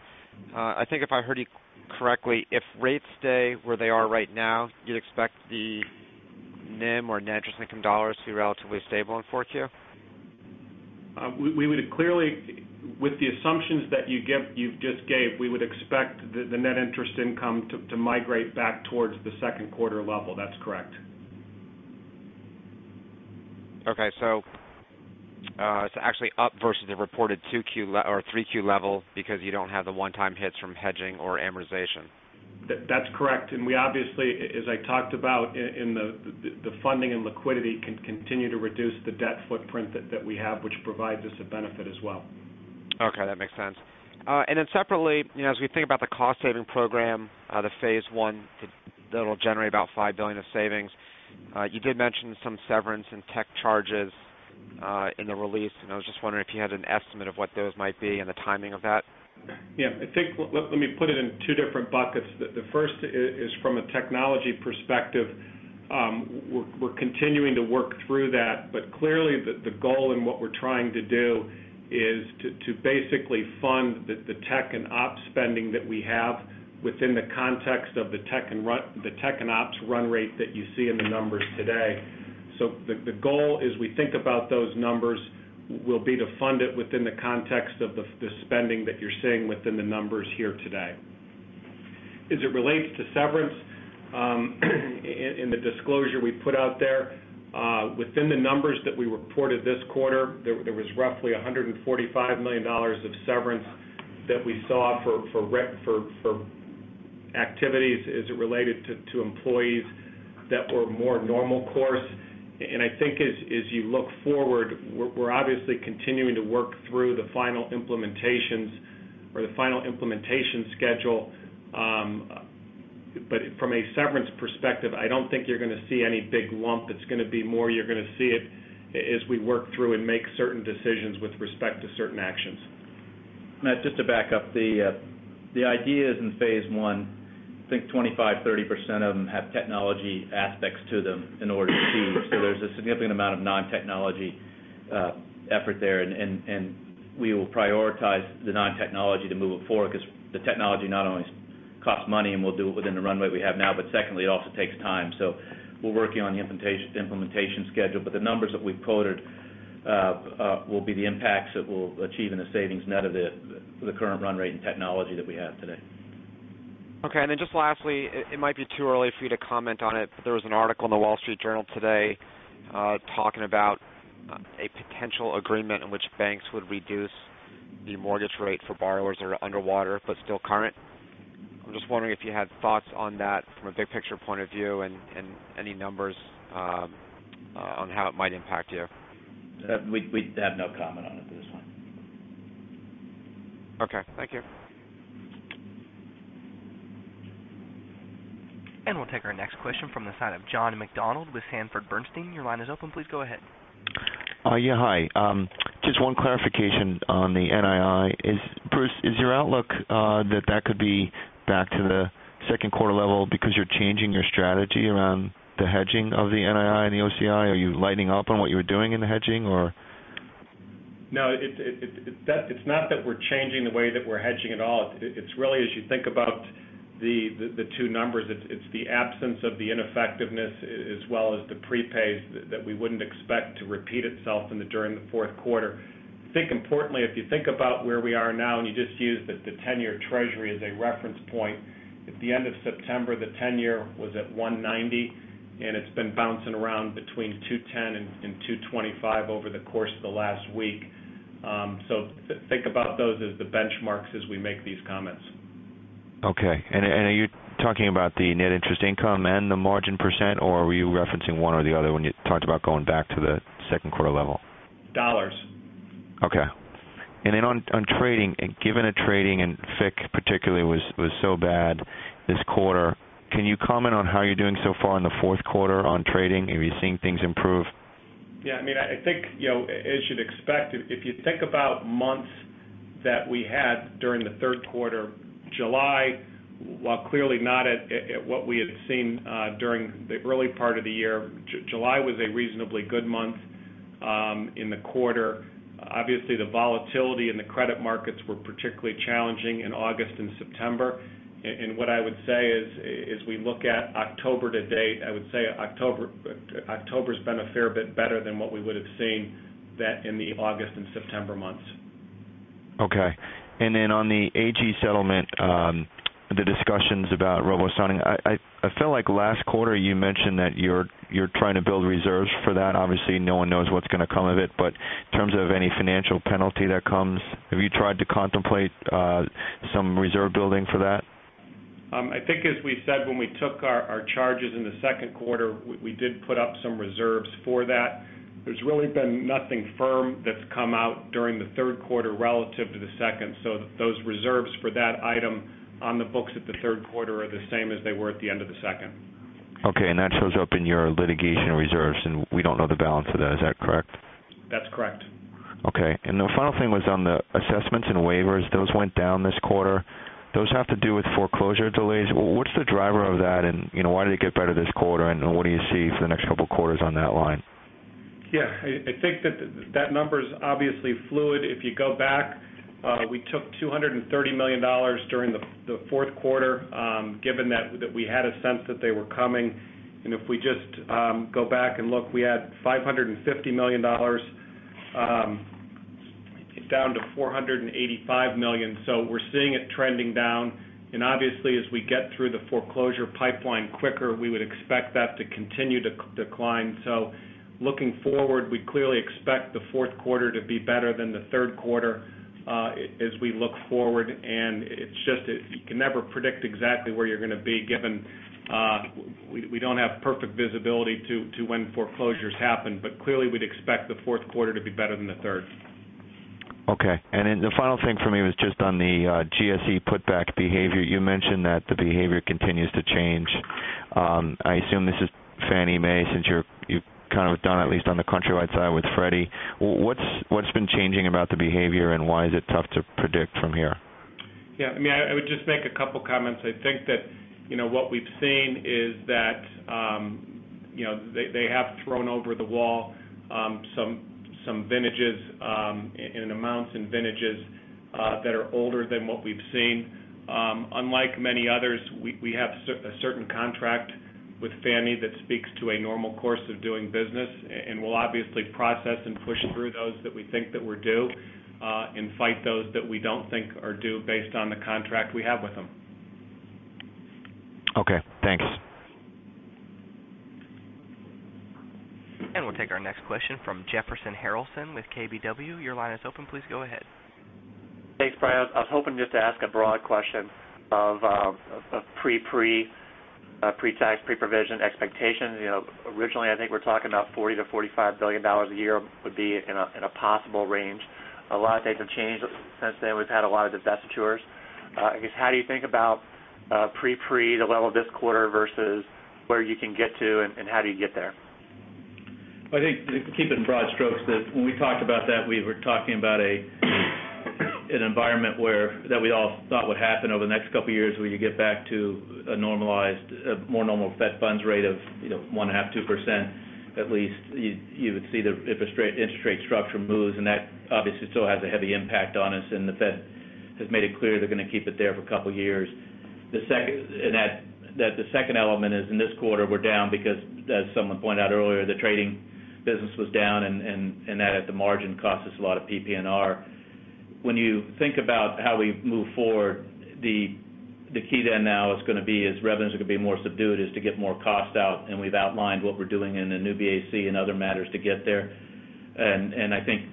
I think if I heard you correctly, if rates stay where they are right now, you'd expect the NIM or net interest income dollars to be relatively stable in fourth quarter? With the assumptions that you just gave, we would expect the net interest income to migrate back towards the second quarter level. That's correct. Okay. It's actually up versus the reported 2Q or 3Q level because you don't have the one-time hits from hedging or amortization. That's correct. As I talked about in the funding and liquidity, we can continue to reduce the debt footprint that we have, which provides us a benefit as well. Okay. That makes sense. Separately, as we think about the cost-saving program, the phase I, that'll generate about $5 billion of savings, you did mention some severance and tech charges in the release, and I was just wondering if you had an estimate of what those might be and the timing of that. Yeah. I think let me put it in two different buckets. The first is from a technology perspective. We're continuing to work through that, but clearly the goal and what we're trying to do is to basically fund the tech and ops spending that we have within the context of the tech and ops run rate that you see in the numbers today. The goal, as we think about those numbers, will be to fund it within the context of the spending that you're seeing within the numbers here today. As it relates to severance in the disclosure we put out there, within the numbers that we reported this quarter, there was roughly $145 million of severance that we saw for activities as it related to employees that were more normal course. I think as you look forward, we're obviously continuing to work through the final implementations or the final implementation schedule. From a severance perspective, I don't think you're going to see any big lump. It's going to be more you're going to see it as we work through and make certain decisions with respect to certain actions. Matt, just to back up, the ideas in phase I, I think 25%, 30% of them have technology aspects to them in order to achieve. There's a significant amount of non-technology effort there, and we will prioritize the non-technology to move it forward because the technology not only costs money and we'll do it within the runway we have now, but it also takes time. We're working on the implementation schedule, but the numbers that we've quoted will be the impacts that we'll achieve in the savings net of the current run rate and technology that we have today. Okay. Lastly, it might be too early for you to comment on it, but there was an article in The Wall Street Journal today talking about a potential agreement in which banks would reduce the mortgage rate for borrowers that are underwater, but still current. I'm just wondering if you had thoughts on that from a big-picture point of view and any numbers on how it might impact you. We'd have no comment on it at this point. Okay, thank you. We'll take our next question from John McDonald with Sanford Bernstein. Your line is open. Please go ahead. Yeah. Hi. Just one clarification on the NII. Bruce, is your outlook that that could be back to the second quarter level because you're changing your strategy around the hedging of the NII and the OCI? Are you lighting up on what you were doing in the hedging, or? No. It's not that we're changing the way that we're hedging at all. It's really, as you think about the two numbers, it's the absence of the ineffectiveness as well as the prepays that we wouldn't expect to repeat itself during the fourth quarter. I think importantly, if you think about where we are now, and you just use the 10-year Treasury as a reference point, at the end of September, the 10-year was at 1.90%, and it's been bouncing around between 2.10% and 2.25% over the course of the last week. Think about those as the benchmarks as we make these comments. Okay. Are you talking about the net interest income and the margin percent, or were you referencing one or the other when you talked about going back to the second quarter level? Dollars. Okay. On trading, given that trading and FICC particularly was so bad this quarter, can you comment on how you're doing so far in the fourth quarter on trading? Have you seen things improve? Yeah. I mean, I think, as you'd expect, if you think about months that we had during the third quarter, July, while clearly not at what we had seen during the early part of the year, July was a reasonably good month in the quarter. Obviously, the volatility in the credit markets was particularly challenging in August and September. What I would say is, as we look at October to date, October's been a fair bit better than what we would have seen in the August and September months. Okay. On the AG settlement, the discussions about robust funding, I feel like last quarter you mentioned that you're trying to build reserves for that. Obviously, no one knows what's going to come of it. In terms of any financial penalty that comes, have you tried to contemplate some reserve building for that? I think, as we said, when we took our charges in the second quarter, we did put up some reserves for that. There's really been nothing firm that's come out during the third quarter relative to the second, so those reserves for that item on the books at the third quarter are the same as they were at the end of the second. Okay. That shows up in your litigation reserves, and we don't know the balance of that. Is that correct? That's correct. Okay. The final thing was on the assessments and waivers. Those went down this quarter. Those have to do with foreclosure delays. What is the driver of that, and why did it get better this quarter, and what do you see for the next couple of quarters on that line? Yeah. I think that that number's obviously fluid. If you go back, we took $230 million during the fourth quarter, given that we had a sense that they were coming. If we just go back and look, we had $550 million down to $485 million. We're seeing it trending down. Obviously, as we get through the foreclosure pipeline quicker, we would expect that to continue to decline. Looking forward, we clearly expect the fourth quarter to be better than the third quarter as we look forward. You can never predict exactly where you're going to be, given we don't have perfect visibility to when foreclosures happen. Clearly, we'd expect the fourth quarter to be better than the third. Okay. The final thing for me was just on the GSE putback behavior. You mentioned that the behavior continues to change. I assume this is Fannie Mae, since you're kind of done at least on the Countrywide side with Freddie. What's been changing about the behavior, and why is it tough to predict from here? Yeah. I mean, I would just make a couple of comments. I think that what we've seen is that they have thrown over the wall some amounts and vintages that are older than what we've seen. Unlike many others, we have a certain contract with Fannie that speaks to a normal course of doing business, and we'll obviously process and push through those that we think that we're due and fight those that we don't think are due based on the contract we have with them. Okay. Thanks. We will take our next question from Jefferson Harralson with KBW. Your line is open. Please go ahead. Thanks, Brian. I was hoping just to ask a broad question of pre-tax, pre-provision expectations. Originally, I think we're talking about $40 billion-$45 billion a year would be in a possible range. A lot of things have changed since then. We've had a lot of divestitures. I guess, how do you think about pre-pres, the level of this quarter versus where you can get to, and how do you get there? I think to keep it in broad strokes, that when we talked about that, we were talking about an environment that we all thought would happen over the next couple of years where you get back to a normalized, more normal Fed funds rate of 1.5%, 2% at least. You would see the interest rate structure moves, and that obviously still has a heavy impact on us. The Fed has made it clear they're going to keep it there for a couple of years. The second element is in this quarter, we're down because, as someone pointed out earlier, the trading business was down, and that at the margin costs us a lot of PPNR. When you think about how we move forward, the key then now is going to be revenues are going to be more subdued as to get more costs out. We've outlined what we're doing in the New BAC and other matters to get there. I think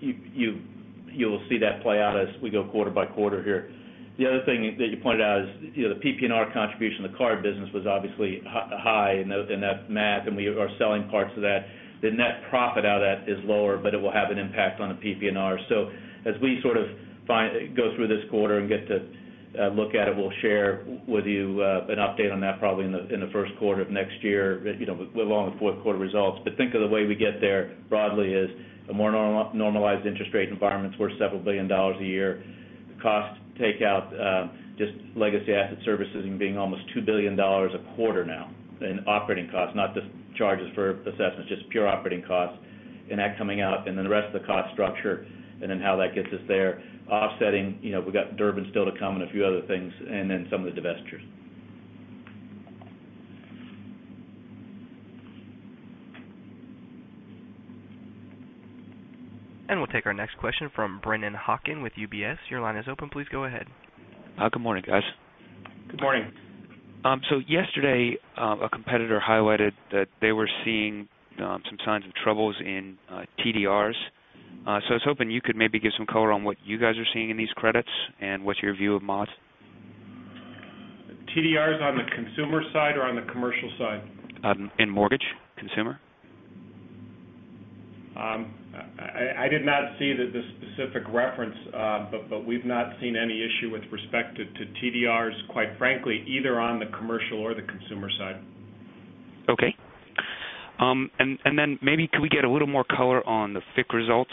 you'll see that play out as we go quarter by quarter here. The other thing that you pointed out is the PPNR contribution in the card business was obviously high, and within that math, and we are selling parts of that. The net profit out of that is lower, but it will have an impact on the PPNR. As we sort of go through this quarter and get to look at it, we'll share with you an update on that probably in the first quarter of next year, along with fourth quarter results. Think of the way we get there broadly as a more normalized interest rate environment. It's worth several billion dollars a year. The cost takeout, just legacy asset servicing being almost $2 billion a quarter now in operating costs, not just charges for assessments, just pure operating costs, and that coming out. Then the rest of the cost structure and then how that gets us there. Offsetting, you know, we've got Durbin still to come and a few other things, and then some of the divestitures. We will take our next question from Brennan Hawken with UBS. Your line is open. Please go ahead. Good morning, guys. Good morning. Yesterday, a competitor highlighted that they were seeing some signs of troubles in TDRs. I was hoping you could maybe give some color on what you guys are seeing in these credits and what's your view of MODS. TDRs on the consumer side or on the commercial side? In mortgage, consumer. I did not see the specific reference, but we've not seen any issue with respect to TDRs, quite frankly, either on the commercial or the consumer side. Okay. Could we get a little more color on the FICC results?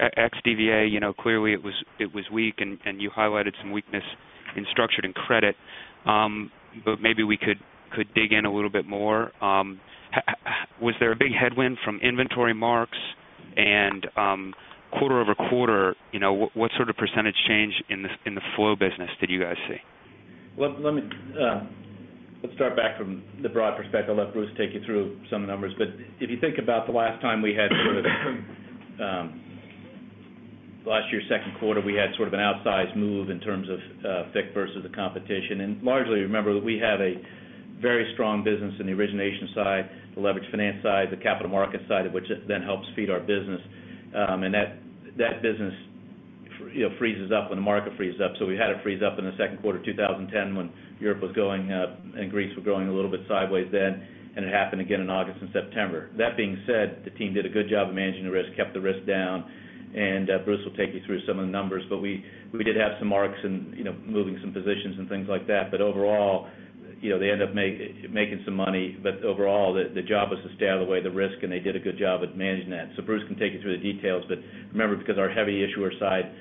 XDVA, you know, clearly it was weak, and you highlighted some weakness in structured and credit. Maybe we could dig in a little bit more. Was there a big headwind from inventory marks quarter-over-quarter? You know, what sort of percentage change in the flow business did you guys see? Let's start back from the broad perspective. I'll let Bruce take you through some numbers. If you think about the last time we had from last year's second quarter, we had sort of an outsized move in terms of FICC versus the competition. Largely, remember, we have a very strong business in the origination side, the leveraged finance side, the capital market side, which then helps feed our business. That business freezes up when the market freezes up. We had it freeze up in the second quarter of 2010 when Europe was going and Greece were growing a little bit sideways then. It happened again in August and September. That being said, the team did a good job of managing the risk, kept the risk down. Bruce will take you through some of the numbers. We did have some marks in moving some positions and things like that. Overall, you know, they ended up making some money. Overall, the job was to stay out of the way of the risk, and they did a good job of managing that. Bruce can take you through the details. Remember, because our heavy issuer side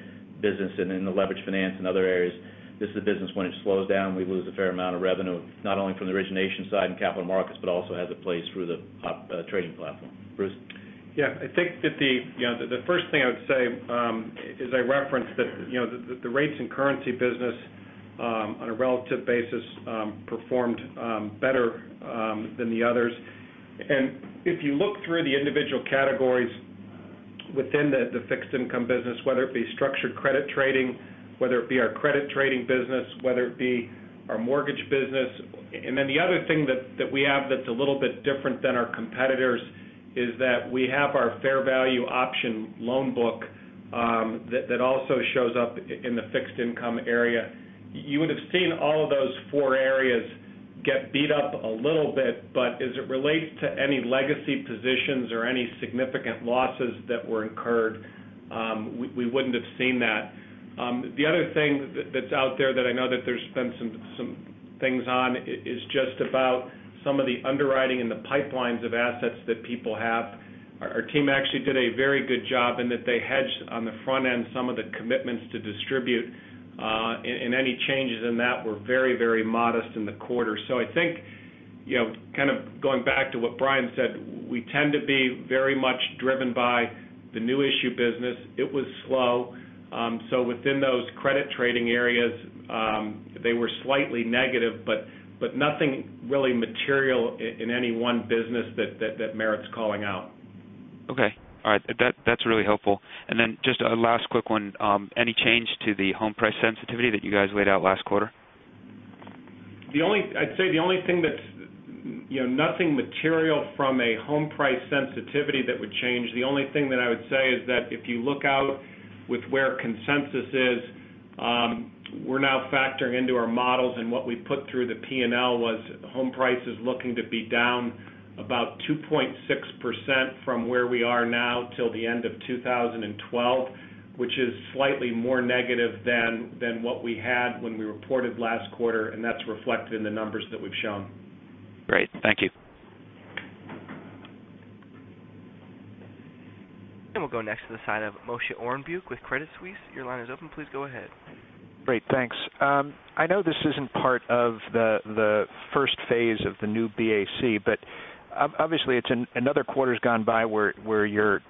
business and in the leveraged finance and other areas, this is a business when it slows down, we lose a fair amount of revenue, not only from the origination side and capital markets, but also as it plays through the trading platform. Bruce? Yeah. I think that the first thing I would say, as I referenced, is that the rates and currency business on a relative basis performed better than the others. If you look through the individual categories within the fixed-income business, whether it be structured credit trading, our credit-trading business, or our mortgage business, the other thing that we have that's a little bit different than our competitors is that we have our fair value option loan book that also shows up in the fixed-income area. You would have seen all of those four areas get beat up a little bit. As it relates to any legacy positions or any significant losses that were incurred, we wouldn't have seen that. The other thing that's out there that I know there's been some things on is just about some of the underwriting and the pipelines of assets that people have. Our team actually did a very good job in that they hedged on the front end some of the commitments to distribute, and any changes in that were very, very modest in the quarter. I think, kind of going back to what Brian said, we tend to be very much driven by the new issue business. It was slow. Within those credit trading areas, they were slightly negative, but nothing really material in any one business that merits calling out. Okay. All right. That's really helpful. Just a last quick one. Any change to the home price sensitivity that you guys laid out last quarter? I'd say the only thing that, you know, nothing material from a home price sensitivity that would change. The only thing that I would say is that if you look out with where consensus is, we're now factoring into our models and what we put through the P&L was home prices looking to be down about 2.6% from where we are now till the end of 2012, which is slightly more negative than what we had when we reported last quarter. That's reflected in the numbers that we've shown. Great. Thank you. We will go next to Moshe Orenbuch with Crédit Suisse. Your line is open. Please go ahead. Great. Thanks. I know this isn't part of the first phase of the New BAC, but obviously, another quarter's gone by where your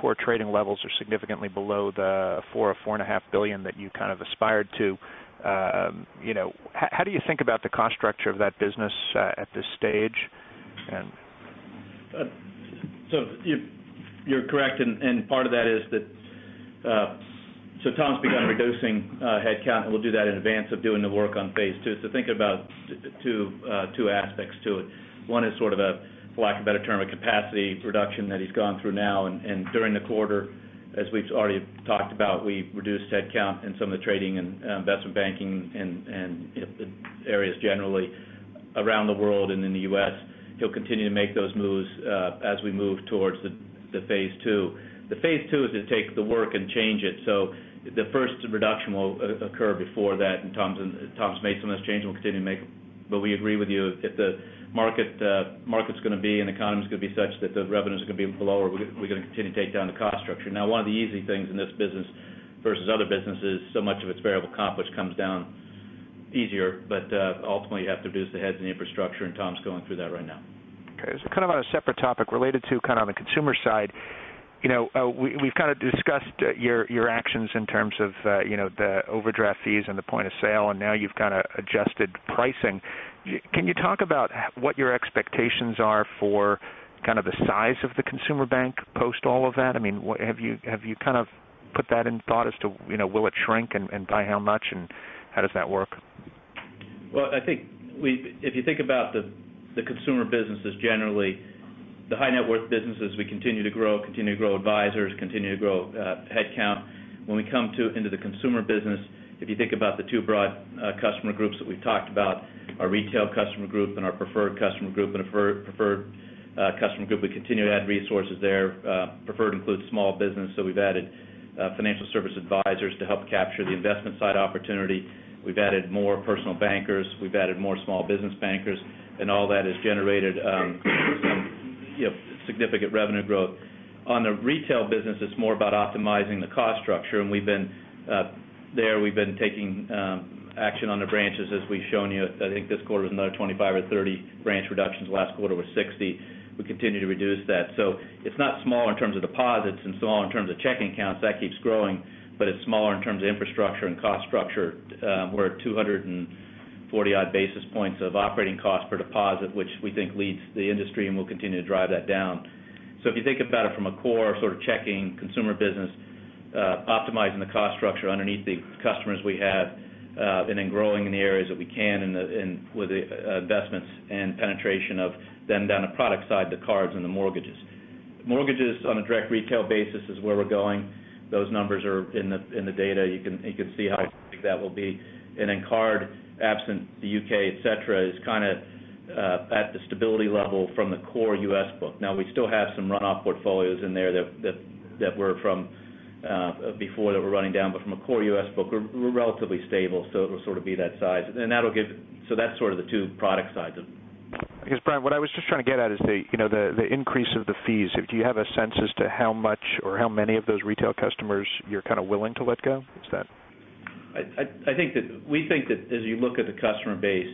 core trading levels are significantly below the $4 billion or $4.5 billion that you kind of aspired to. How do you think about the cost structure of that business at this stage? You are correct. Part of that is that Tom's begun reducing headcount, and we'll do that in advance of doing the work on phase II. Think about two aspects to it. One is, for lack of a better term, a capacity reduction that he's gone through now. During the quarter, as we've already talked about, we reduced headcount in some of the trading and investment banking areas generally around the world and in the U.S. He'll continue to make those moves as we move towards phase II. Phase II is to take the work and change it. The first reduction will occur before that, and Tom's made some of those changes and will continue to make them. We agree with you, if the market's going to be and the economy's going to be such that the revenues are going to be lower, we're going to continue to take down the cost structure. One of the easy things in this business versus other businesses is so much of it's variable comp, which comes down easier, but ultimately, you have to reduce the heads and the infrastructure, and Tom's going through that right now. Okay. On a separate topic related to the consumer side, we've discussed your actions in terms of the overdraft fees and the point of sale, and now you've adjusted pricing. Can you talk about what your expectations are for the size of the consumer bank post all of that? Have you put that in thought as to, you know, will it shrink and by how much and how does that work? If you think about the consumer businesses generally, the high net worth businesses, we continue to grow, continue to grow advisors, continue to grow headcount. When we come into the consumer business, if you think about the two broad customer groups that we've talked about, our retail customer group and our preferred customer group, and a preferred customer group, we continue to add resources there. Preferred includes small business, so we've added financial service advisors to help capture the investment side opportunity. We've added more personal bankers. We've added more small business bankers. All that has generated significant revenue growth. On the retail business, it's more about optimizing the cost structure. We've been there. We've been taking action on the branches, as we've shown you. This quarter was another 25 or 30 branch reductions. The last quarter was 60. We continue to reduce that. It's not smaller in terms of deposits and smaller in terms of checking accounts. That keeps growing, but it's smaller in terms of infrastructure and cost structure. We're at 240-odd basis points of operating cost per deposit, which we think leads the industry, and we'll continue to drive that down. If you think about it from a core sort of checking consumer business, optimizing the cost structure underneath the customers we have, and then growing in the areas that we can and with the investments and penetration of them down the product side, the cards and the mortgages. Mortgages on a direct retail basis is where we're going. Those numbers are in the data. You can see how big that will be. Card absent the U.K., etc., is kind of at the stability level from the core U.S. book. We still have some runoff portfolios in there that were from before that were running down, but from a core U.S. book, we're relatively stable. It will sort of be that size. That'll give it. That's sort of the two product sides. I guess, Brian, what I was just trying to get at is the increase of the fees. Do you have a sense as to how much or how many of those retail customers you're kind of willing to let go? I think that we think that as you look at the customer base,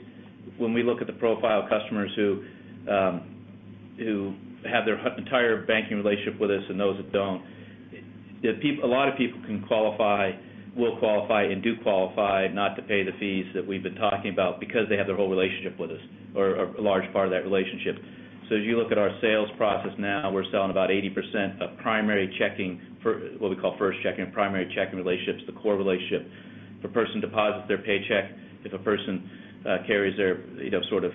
when we look at the profile of customers who have their entire banking relationship with us and those that don't, a lot of people can qualify, will qualify, and do qualify not to pay the fees that we've been talking about because they have their whole relationship with us or a large part of that relationship. As you look at our sales process now, we're selling about 80% of primary checking for what we call first checking or primary checking relationships, the core relationship. If a person deposits their paycheck, if a person carries their sort of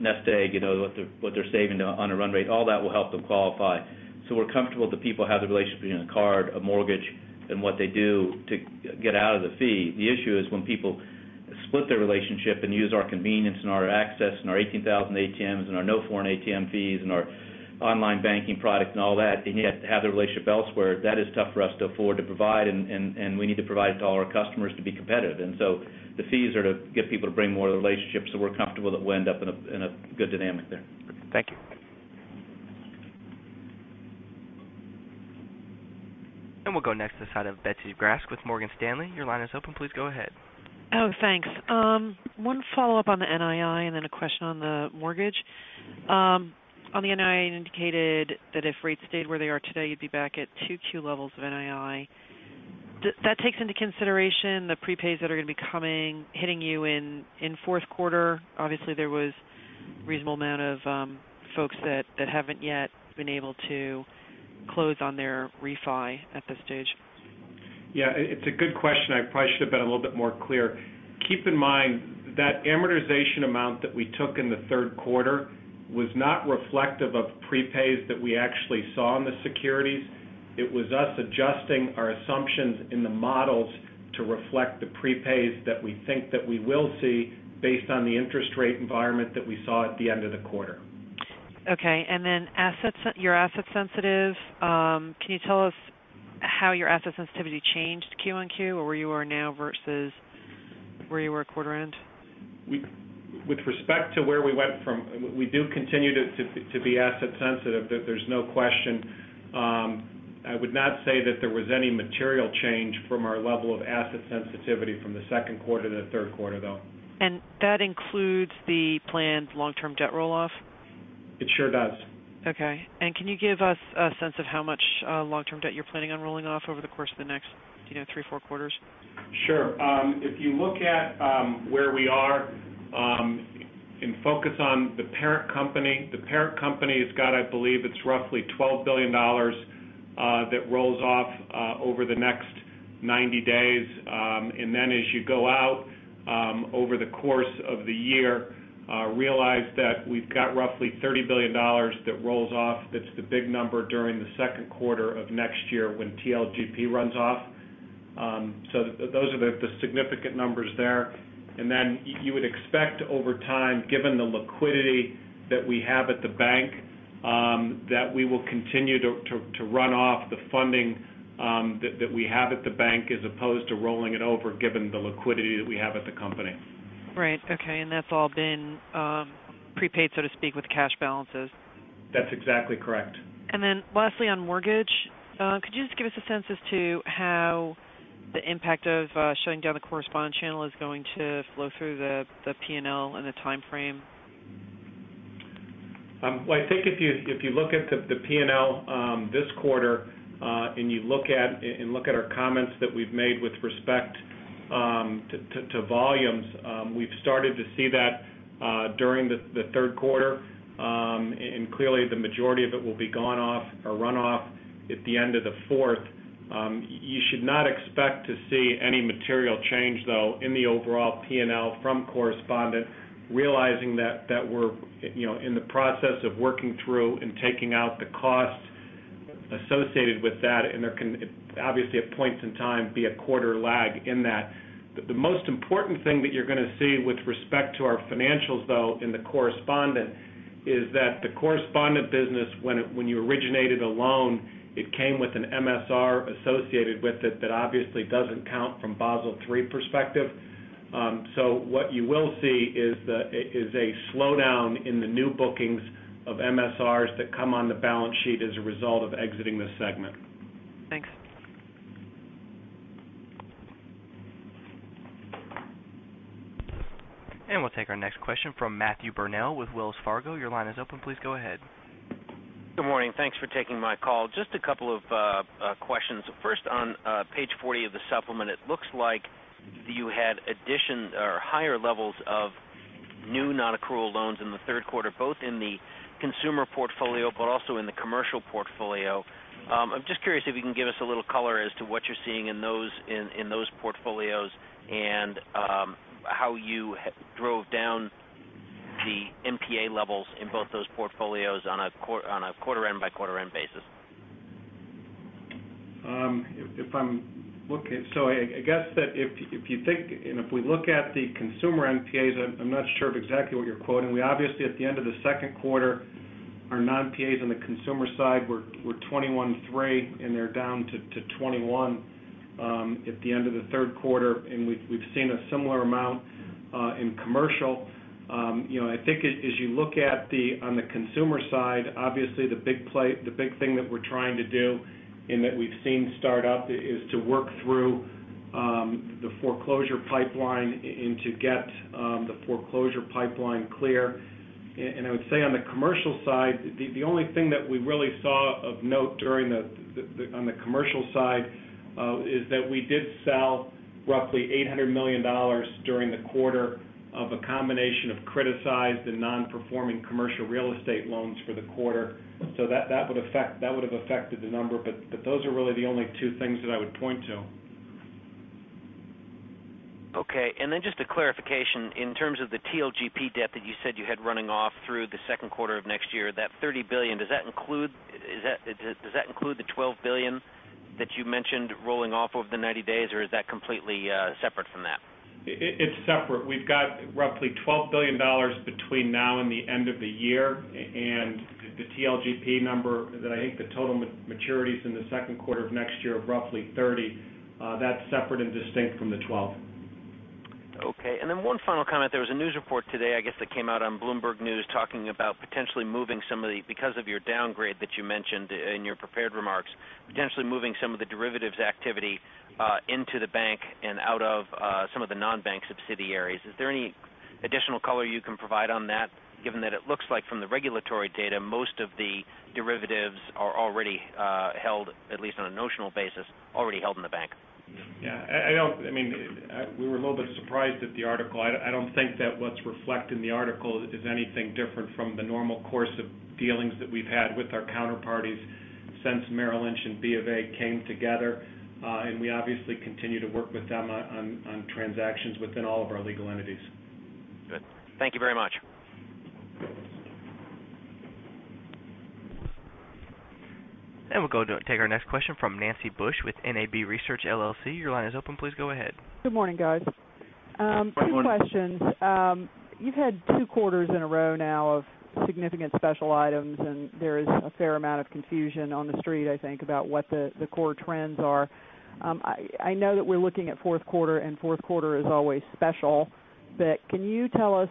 nest egg, you know what they're saving on a run rate, all that will help them qualify. We're comfortable that people have the relationship between a card, a mortgage, and what they do to get out of the fee. The issue is when people split their relationship and use our convenience and our access and our 18,000 ATMs and our no foreign ATM fees and our online banking products and all that, yet have the relationship elsewhere, that is tough for us to afford to provide, and we need to provide it to all our customers to be competitive. The fees are to get people to bring more of the relationship. We're comfortable that we'll end up in a good dynamic there. Okay, thank you. We will go next to the line of Betsy Graseck with Morgan Stanley. Your line is open. Please go ahead. Oh, thanks. One follow-up on the NII and then a question on the mortgage. On the NII, you indicated that if rates stayed where they are today, you'd be back at 2Q levels of NII. That takes into consideration the prepays that are going to be coming, hitting you in fourth quarter. Obviously, there was a reasonable amount of folks that haven't yet been able to close on their refi at this stage. Yeah. It's a good question. I probably should have been a little bit more clear. Keep in mind that amortization amount that we took in the third quarter was not reflective of prepays that we actually saw in the securities. It was us adjusting our assumptions in the models to reflect the prepays that we think that we will see based on the interest rate environment that we saw at the end of the quarter. Okay. You're asset sensitive. Can you tell us how your asset sensitivity changed Q1Q or where you are now versus where you were a quarter end? With respect to where we went from, we do continue to be asset sensitive. There's no question. I would not say that there was any material change from our level of asset sensitivity from the second quarter to the third quarter, though. Does that include the planned long-term debt rolloff? It sure does. Okay. Can you give us a sense of how much long-term debt you're planning on rolling off over the course of the next, you know, three, four quarters? Sure. If you look at where we are and focus on the parent company, the parent company has got, I believe, it's roughly $12 billion that rolls off over the next 90 days. As you go out over the course of the year, realize that we've got roughly $30 billion that rolls off. That's the big number during the second quarter of next year when TLGP runs off. Those are the significant numbers there. You would expect over time, given the liquidity that we have at the bank, that we will continue to run off the funding that we have at the bank as opposed to rolling it over given the liquidity that we have at the company. Right. Okay. That's all been prepaid, so to speak, with cash balances. That's exactly correct. Lastly, on mortgage, could you just give us a sense as to how the impact of shutting down the correspondent channel is going to flow through the P&L in the timeframe? If you look at the P&L this quarter and you look at our comments that we've made with respect to volumes, we've started to see that during the third quarter. Clearly, the majority of it will be gone off or run off at the end of the fourth. You should not expect to see any material change, though, in the overall P&L from correspondent, realizing that we're in the process of working through and taking out the costs associated with that. There can, obviously, at points in time, be a quarter lag in that. The most important thing that you're going to see with respect to our financials, though, in the correspondent is that the correspondent business, when you originated a loan, it came with an MSR associated with it that obviously doesn't count from Basel III perspective. What you will see is a slowdown in the new bookings of MSRs that come on the balance sheet as a result of exiting this segment. Thanks. We'll take our next question from Matthew Burnell with Wells Fargo. Your line is open. Please go ahead. Good morning. Thanks for taking my call. Just a couple of questions. First, on page 40 of the supplement, it looks like you had addition or higher levels of new non-accrual loans in the third quarter, both in the consumer portfolio but also in the commercial portfolio. I'm just curious if you can give us a little color as to what you're seeing in those portfolios and how you drove down the NPA levels in both those portfolios on a quarter-end by quarter-end basis. If I'm looking, I guess that if you think, and if we look at the consumer NPAs, I'm not sure exactly what you're quoting. We obviously, at the end of the second quarter, our non-PAs on the consumer side were $21.3 million, and they're down to $21 million at the end of the third quarter. We've seen a similar amount in commercial. I think as you look at the, on the consumer side, obviously the big play, the big thing that we're trying to do and that we've seen start up is to work through the foreclosure pipeline and to get the foreclosure pipeline clear. I would say on the commercial side, the only thing that we really saw of note during the, on the commercial side, is that we did sell roughly $800 million during the quarter of a combination of criticized and non-performing commercial real estate loans for the quarter. That would affect, that would have affected the number. Those are really the only two things that I would point to. Okay. Just a clarification in terms of the TLGP debt that you said you had running off through the second quarter of next year, that $30 billion, does that include the $12 billion that you mentioned rolling off over the 90 days, or is that completely separate from that? It's separate. We've got roughly $12 billion between now and the end of the year. The TLGP number, I think the total maturities in the second quarter of next year are roughly $30 billion. That's separate and distinct from the $12 billion. Okay. One final comment. There was a news report today, I guess, that came out on Bloomberg News talking about potentially moving some of the, because of your downgrade that you mentioned in your prepared remarks, potentially moving some of the derivatives activity into the bank and out of some of the non-bank subsidiaries. Is there any additional color you can provide on that, given that it looks like from the regulatory data, most of the derivatives are already held, at least on a notional basis, already held in the bank? Yeah. I don't, I mean, we were a little bit surprised at the article. I don't think that what's reflected in the article is anything different from the normal course of dealings that we've had with our counterparties since Merrill Lynch and BofA came together. We obviously continue to work with them on transactions within all of our legal entities. Good. Thank you very much. We'll go to take our next question from Nancy Bush with NAB Research LLC. Your line is open. Please go ahead. Good morning, guys. Good morning. Two questions. You've had two quarters in a row now of significant special items, and there is a fair amount of confusion on the street, I think, about what the core trends are. I know that we're looking at fourth quarter, and fourth quarter is always special. Can you tell us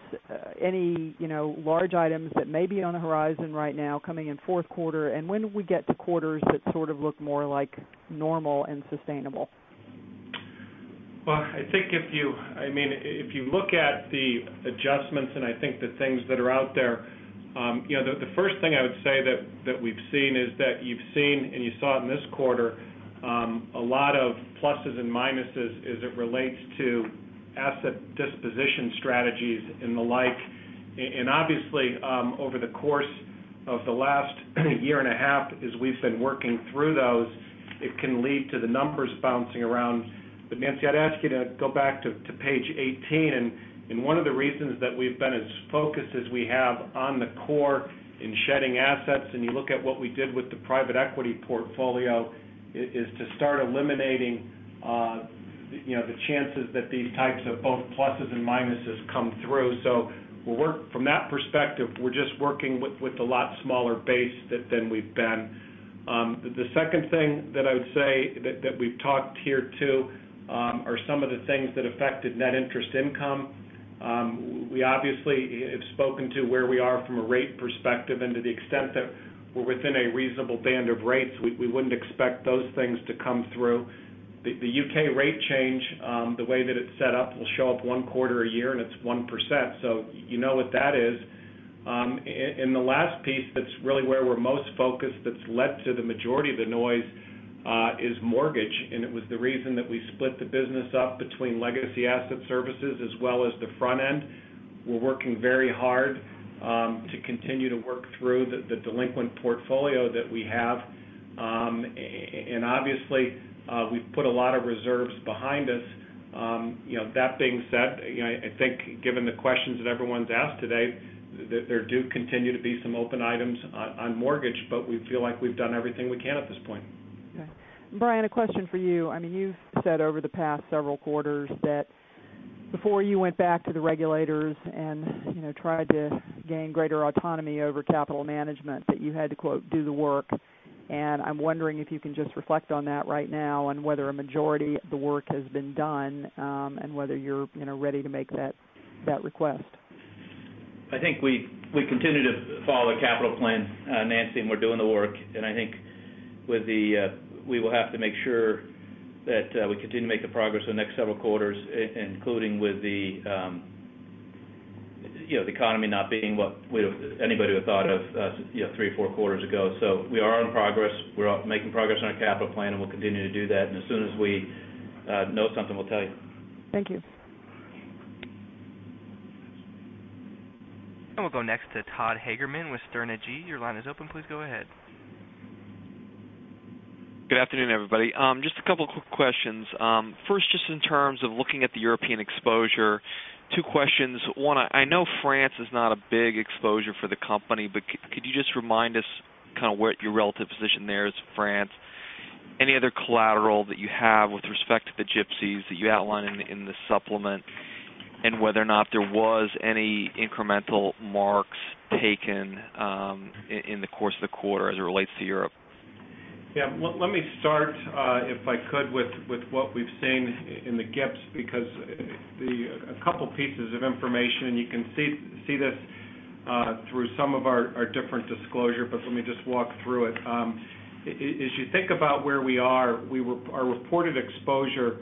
any, you know, large items that may be on the horizon right now coming in fourth quarter? When do we get to quarters that sort of look more like normal and sustainable? If you look at the adjustments and the things that are out there, the first thing I would say that we've seen is that you've seen, and you saw it in this quarter, a lot of pluses and minuses as it relates to asset disposition strategies and the like. Obviously, over the course of the last year and a half, as we've been working through those, it can lead to the numbers bouncing around. Nancy, I'd ask you to go back to page 18. One of the reasons that we've been as focused as we have on the core in shedding assets, and you look at what we did with the private equity portfolio, is to start eliminating the chances that these types of both pluses and minuses come through. We'll work from that perspective. We're just working with a lot smaller base than we've been. The second thing that I would say that we've talked here too are some of the things that affected net interest income. We obviously have spoken to where we are from a rate perspective and to the extent that we're within a reasonable band of rates. We wouldn't expect those things to come through. The U.K. rate change, the way that it's set up, will show up one quarter a year, and it's 1%. You know what that is. The last piece that's really where we're most focused, that's led to the majority of the noise, is mortgage. It was the reason that we split the business up between legacy asset servicing as well as the front end. We're working very hard to continue to work through the delinquent portfolio that we have. Obviously, we've put a lot of reserves behind us. That being said, I think given the questions that everyone's asked today, there do continue to be some open items on mortgage, but we feel like we've done everything we can at this point. Yeah. Brian, a question for you. I mean, you've said over the past several quarters that before you went back to the regulators and, you know, tried to gain greater autonomy over capital management, that you had to quote "do the work." I'm wondering if you can just reflect on that right now and whether a majority of the work has been done and whether you're, you know, ready to make that request. I think we continue to follow the capital plan, Nancy, and we're doing the work. I think we will have to make sure that we continue to make progress in the next several quarters, including with the economy not being what anybody would have thought of three or four quarters ago. We are in progress, we're making progress on our capital plan, and we'll continue to do that. As soon as we know something, we'll tell you. Thank you. We will go next to Todd Hagerman with Sterne Agee. Your line is open. Please go ahead. Good afternoon, everybody. Just a couple of quick questions. First, just in terms of looking at the European exposure, two questions. One, I know France is not a big exposure for the company, but could you just remind us kind of what your relative position there is for France? Any other collateral that you have with respect to the GIPSs that you outlined in the supplement and whether or not there was any incremental marks taken in the course of the quarter as it relates to Europe? Yeah. Let me start, if I could, with what we've seen in the GIPS because a couple of pieces of information, and you can see this through some of our different disclosure, but let me just walk through it. As you think about where we are, our reported exposure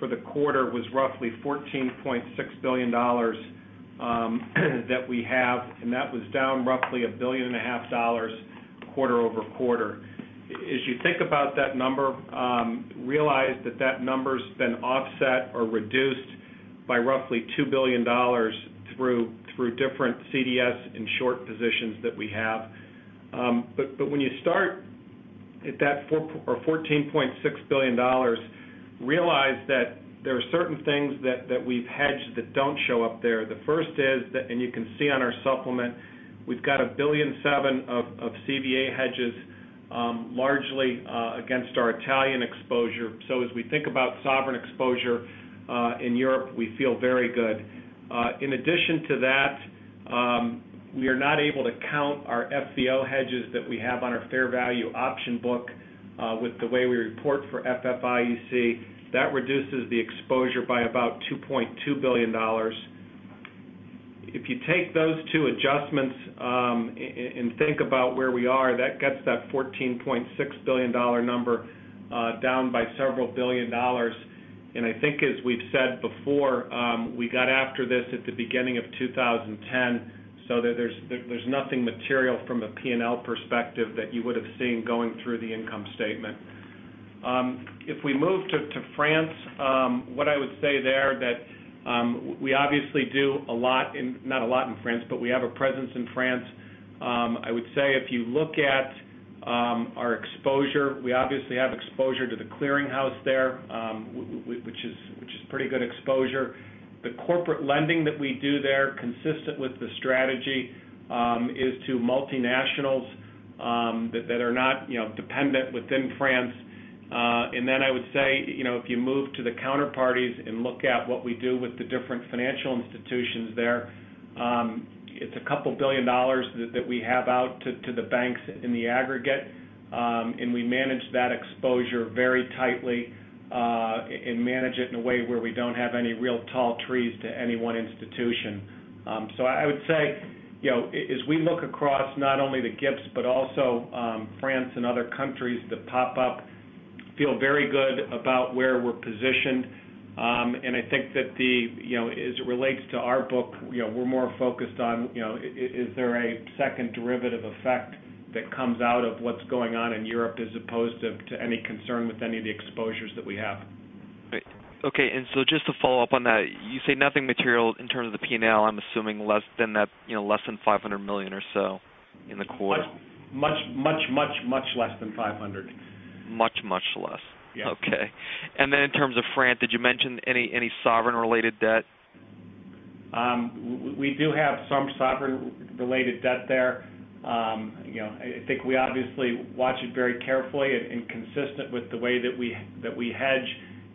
for the quarter was roughly $14.6 billion that we have, and that was down roughly $1.5 billion quarter-over-quarter. As you think about that number, realize that that number's been offset or reduced by roughly $2 billion through different CDS and short positions that we have. When you start at that $14.6 billion, realize that there are certain things that we've hedged that don't show up there. The first is that, and you can see on our supplement, we've got $1.7 billion of CVA hedges, largely against our Italian exposure. As we think about sovereign exposure in Europe, we feel very good. In addition to that, we are not able to count our FVO hedges that we have on our fair value option book with the way we report for FFIEC. That reduces the exposure by about $2.2 billion. If you take those two adjustments and think about where we are, that gets that $14.6 billion number down by several billion dollars. I think, as we've said before, we got after this at the beginning of 2010. There's nothing material from a P&L perspective that you would have seen going through the income statement. If we move to France, what I would say there, we obviously do a lot, not a lot in France, but we have a presence in France. If you look at our exposure, we obviously have exposure to the clearinghouse there, which is pretty good exposure. The corporate lending that we do there, consistent with the strategy, is to multinationals that are not dependent within France. If you move to the counterparties and look at what we do with the different financial institutions there, it's a couple billion dollars that we have out to the banks in the aggregate. We manage that exposure very tightly and manage it in a way where we don't have any real tall trees to any one institution. As we look across not only the GIPS, but also France and other countries that pop up, we feel very good about where we're positioned. I think that, as it relates to our book, we're more focused on is there a second derivative effect that comes out of what's going on in Europe as opposed to any concern with any of the exposures that we have. Right. Okay. Just to follow up on that, you say nothing material in terms of the P&L. I'm assuming less than that, you know, less than $500 million or so in the quarter. Much, much, much less than $500. Much, much less. Yeah. Okay. In terms of France, did you mention any sovereign-related debt? We do have some sovereign-related debt there. I think we obviously watch it very carefully and consistent with the way that we hedge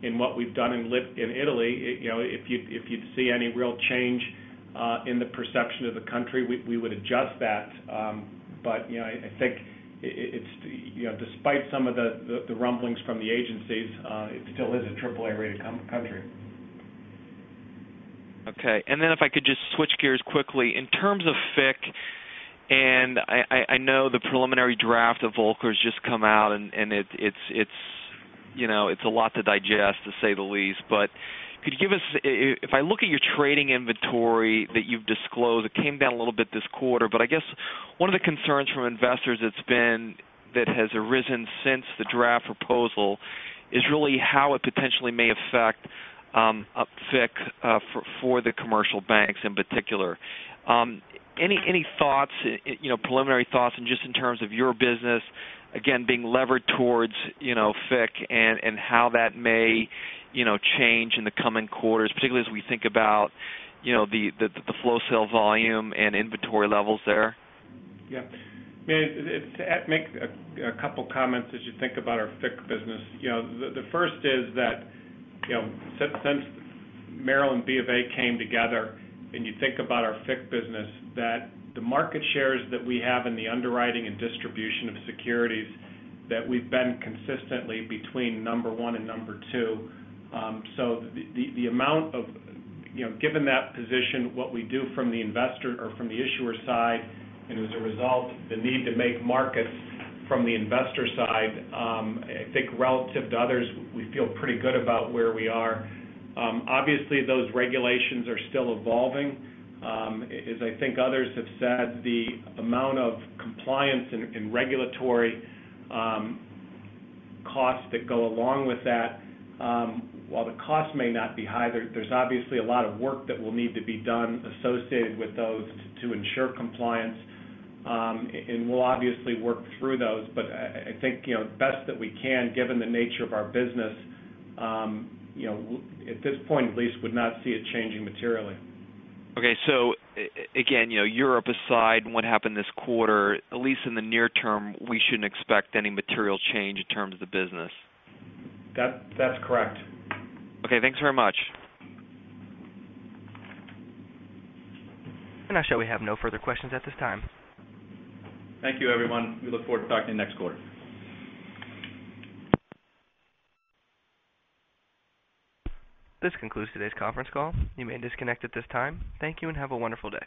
in what we've done in Italy. If you'd see any real change in the perception of the country, we would adjust that. I think it's, despite some of the rumblings from the agencies, it still is a AAA-rated country. Okay. If I could just switch gears quickly, in terms of FICC, I know the preliminary draft of Volcker's just come out, and it's a lot to digest, to say the least. Could you give us, if I look at your trading inventory that you've disclosed, it came down a little bit this quarter. I guess one of the concerns from investors that's arisen since the draft proposal is really how it potentially may affect FICC for the commercial banks in particular. Any thoughts, preliminary thoughts in terms of your business, again, being levered towards FICC and how that may change in the coming quarters, particularly as we think about the flow sale volume and inventory levels there? Yeah. I mean, to make a couple of comments as you think about our FICC business. The first is that since Merrill and BofA came together and you think about our FICC business, the market shares that we have in the underwriting and distribution of securities, we've been consistently between number one and number two. Given that position, what we do from the investor or from the issuer side, and as a result, the need to make markets from the investor side, I think relative to others, we feel pretty good about where we are. Obviously, those regulations are still evolving. As others have said, the amount of compliance and regulatory costs that go along with that, while the costs may not be high, there's a lot of work that will need to be done associated with those to ensure compliance. We'll work through those. I think, the best that we can, given the nature of our business, at this point at least, would not see it changing materially. Okay. Europe aside, and what happened this quarter, at least in the near term, we shouldn't expect any material change in terms of the business. That's correct. Okay, thanks very much. We have no further questions at this time. Thank you, everyone. We look forward to talking to you next quarter. This concludes today's conference call. You may disconnect at this time. Thank you and have a wonderful day.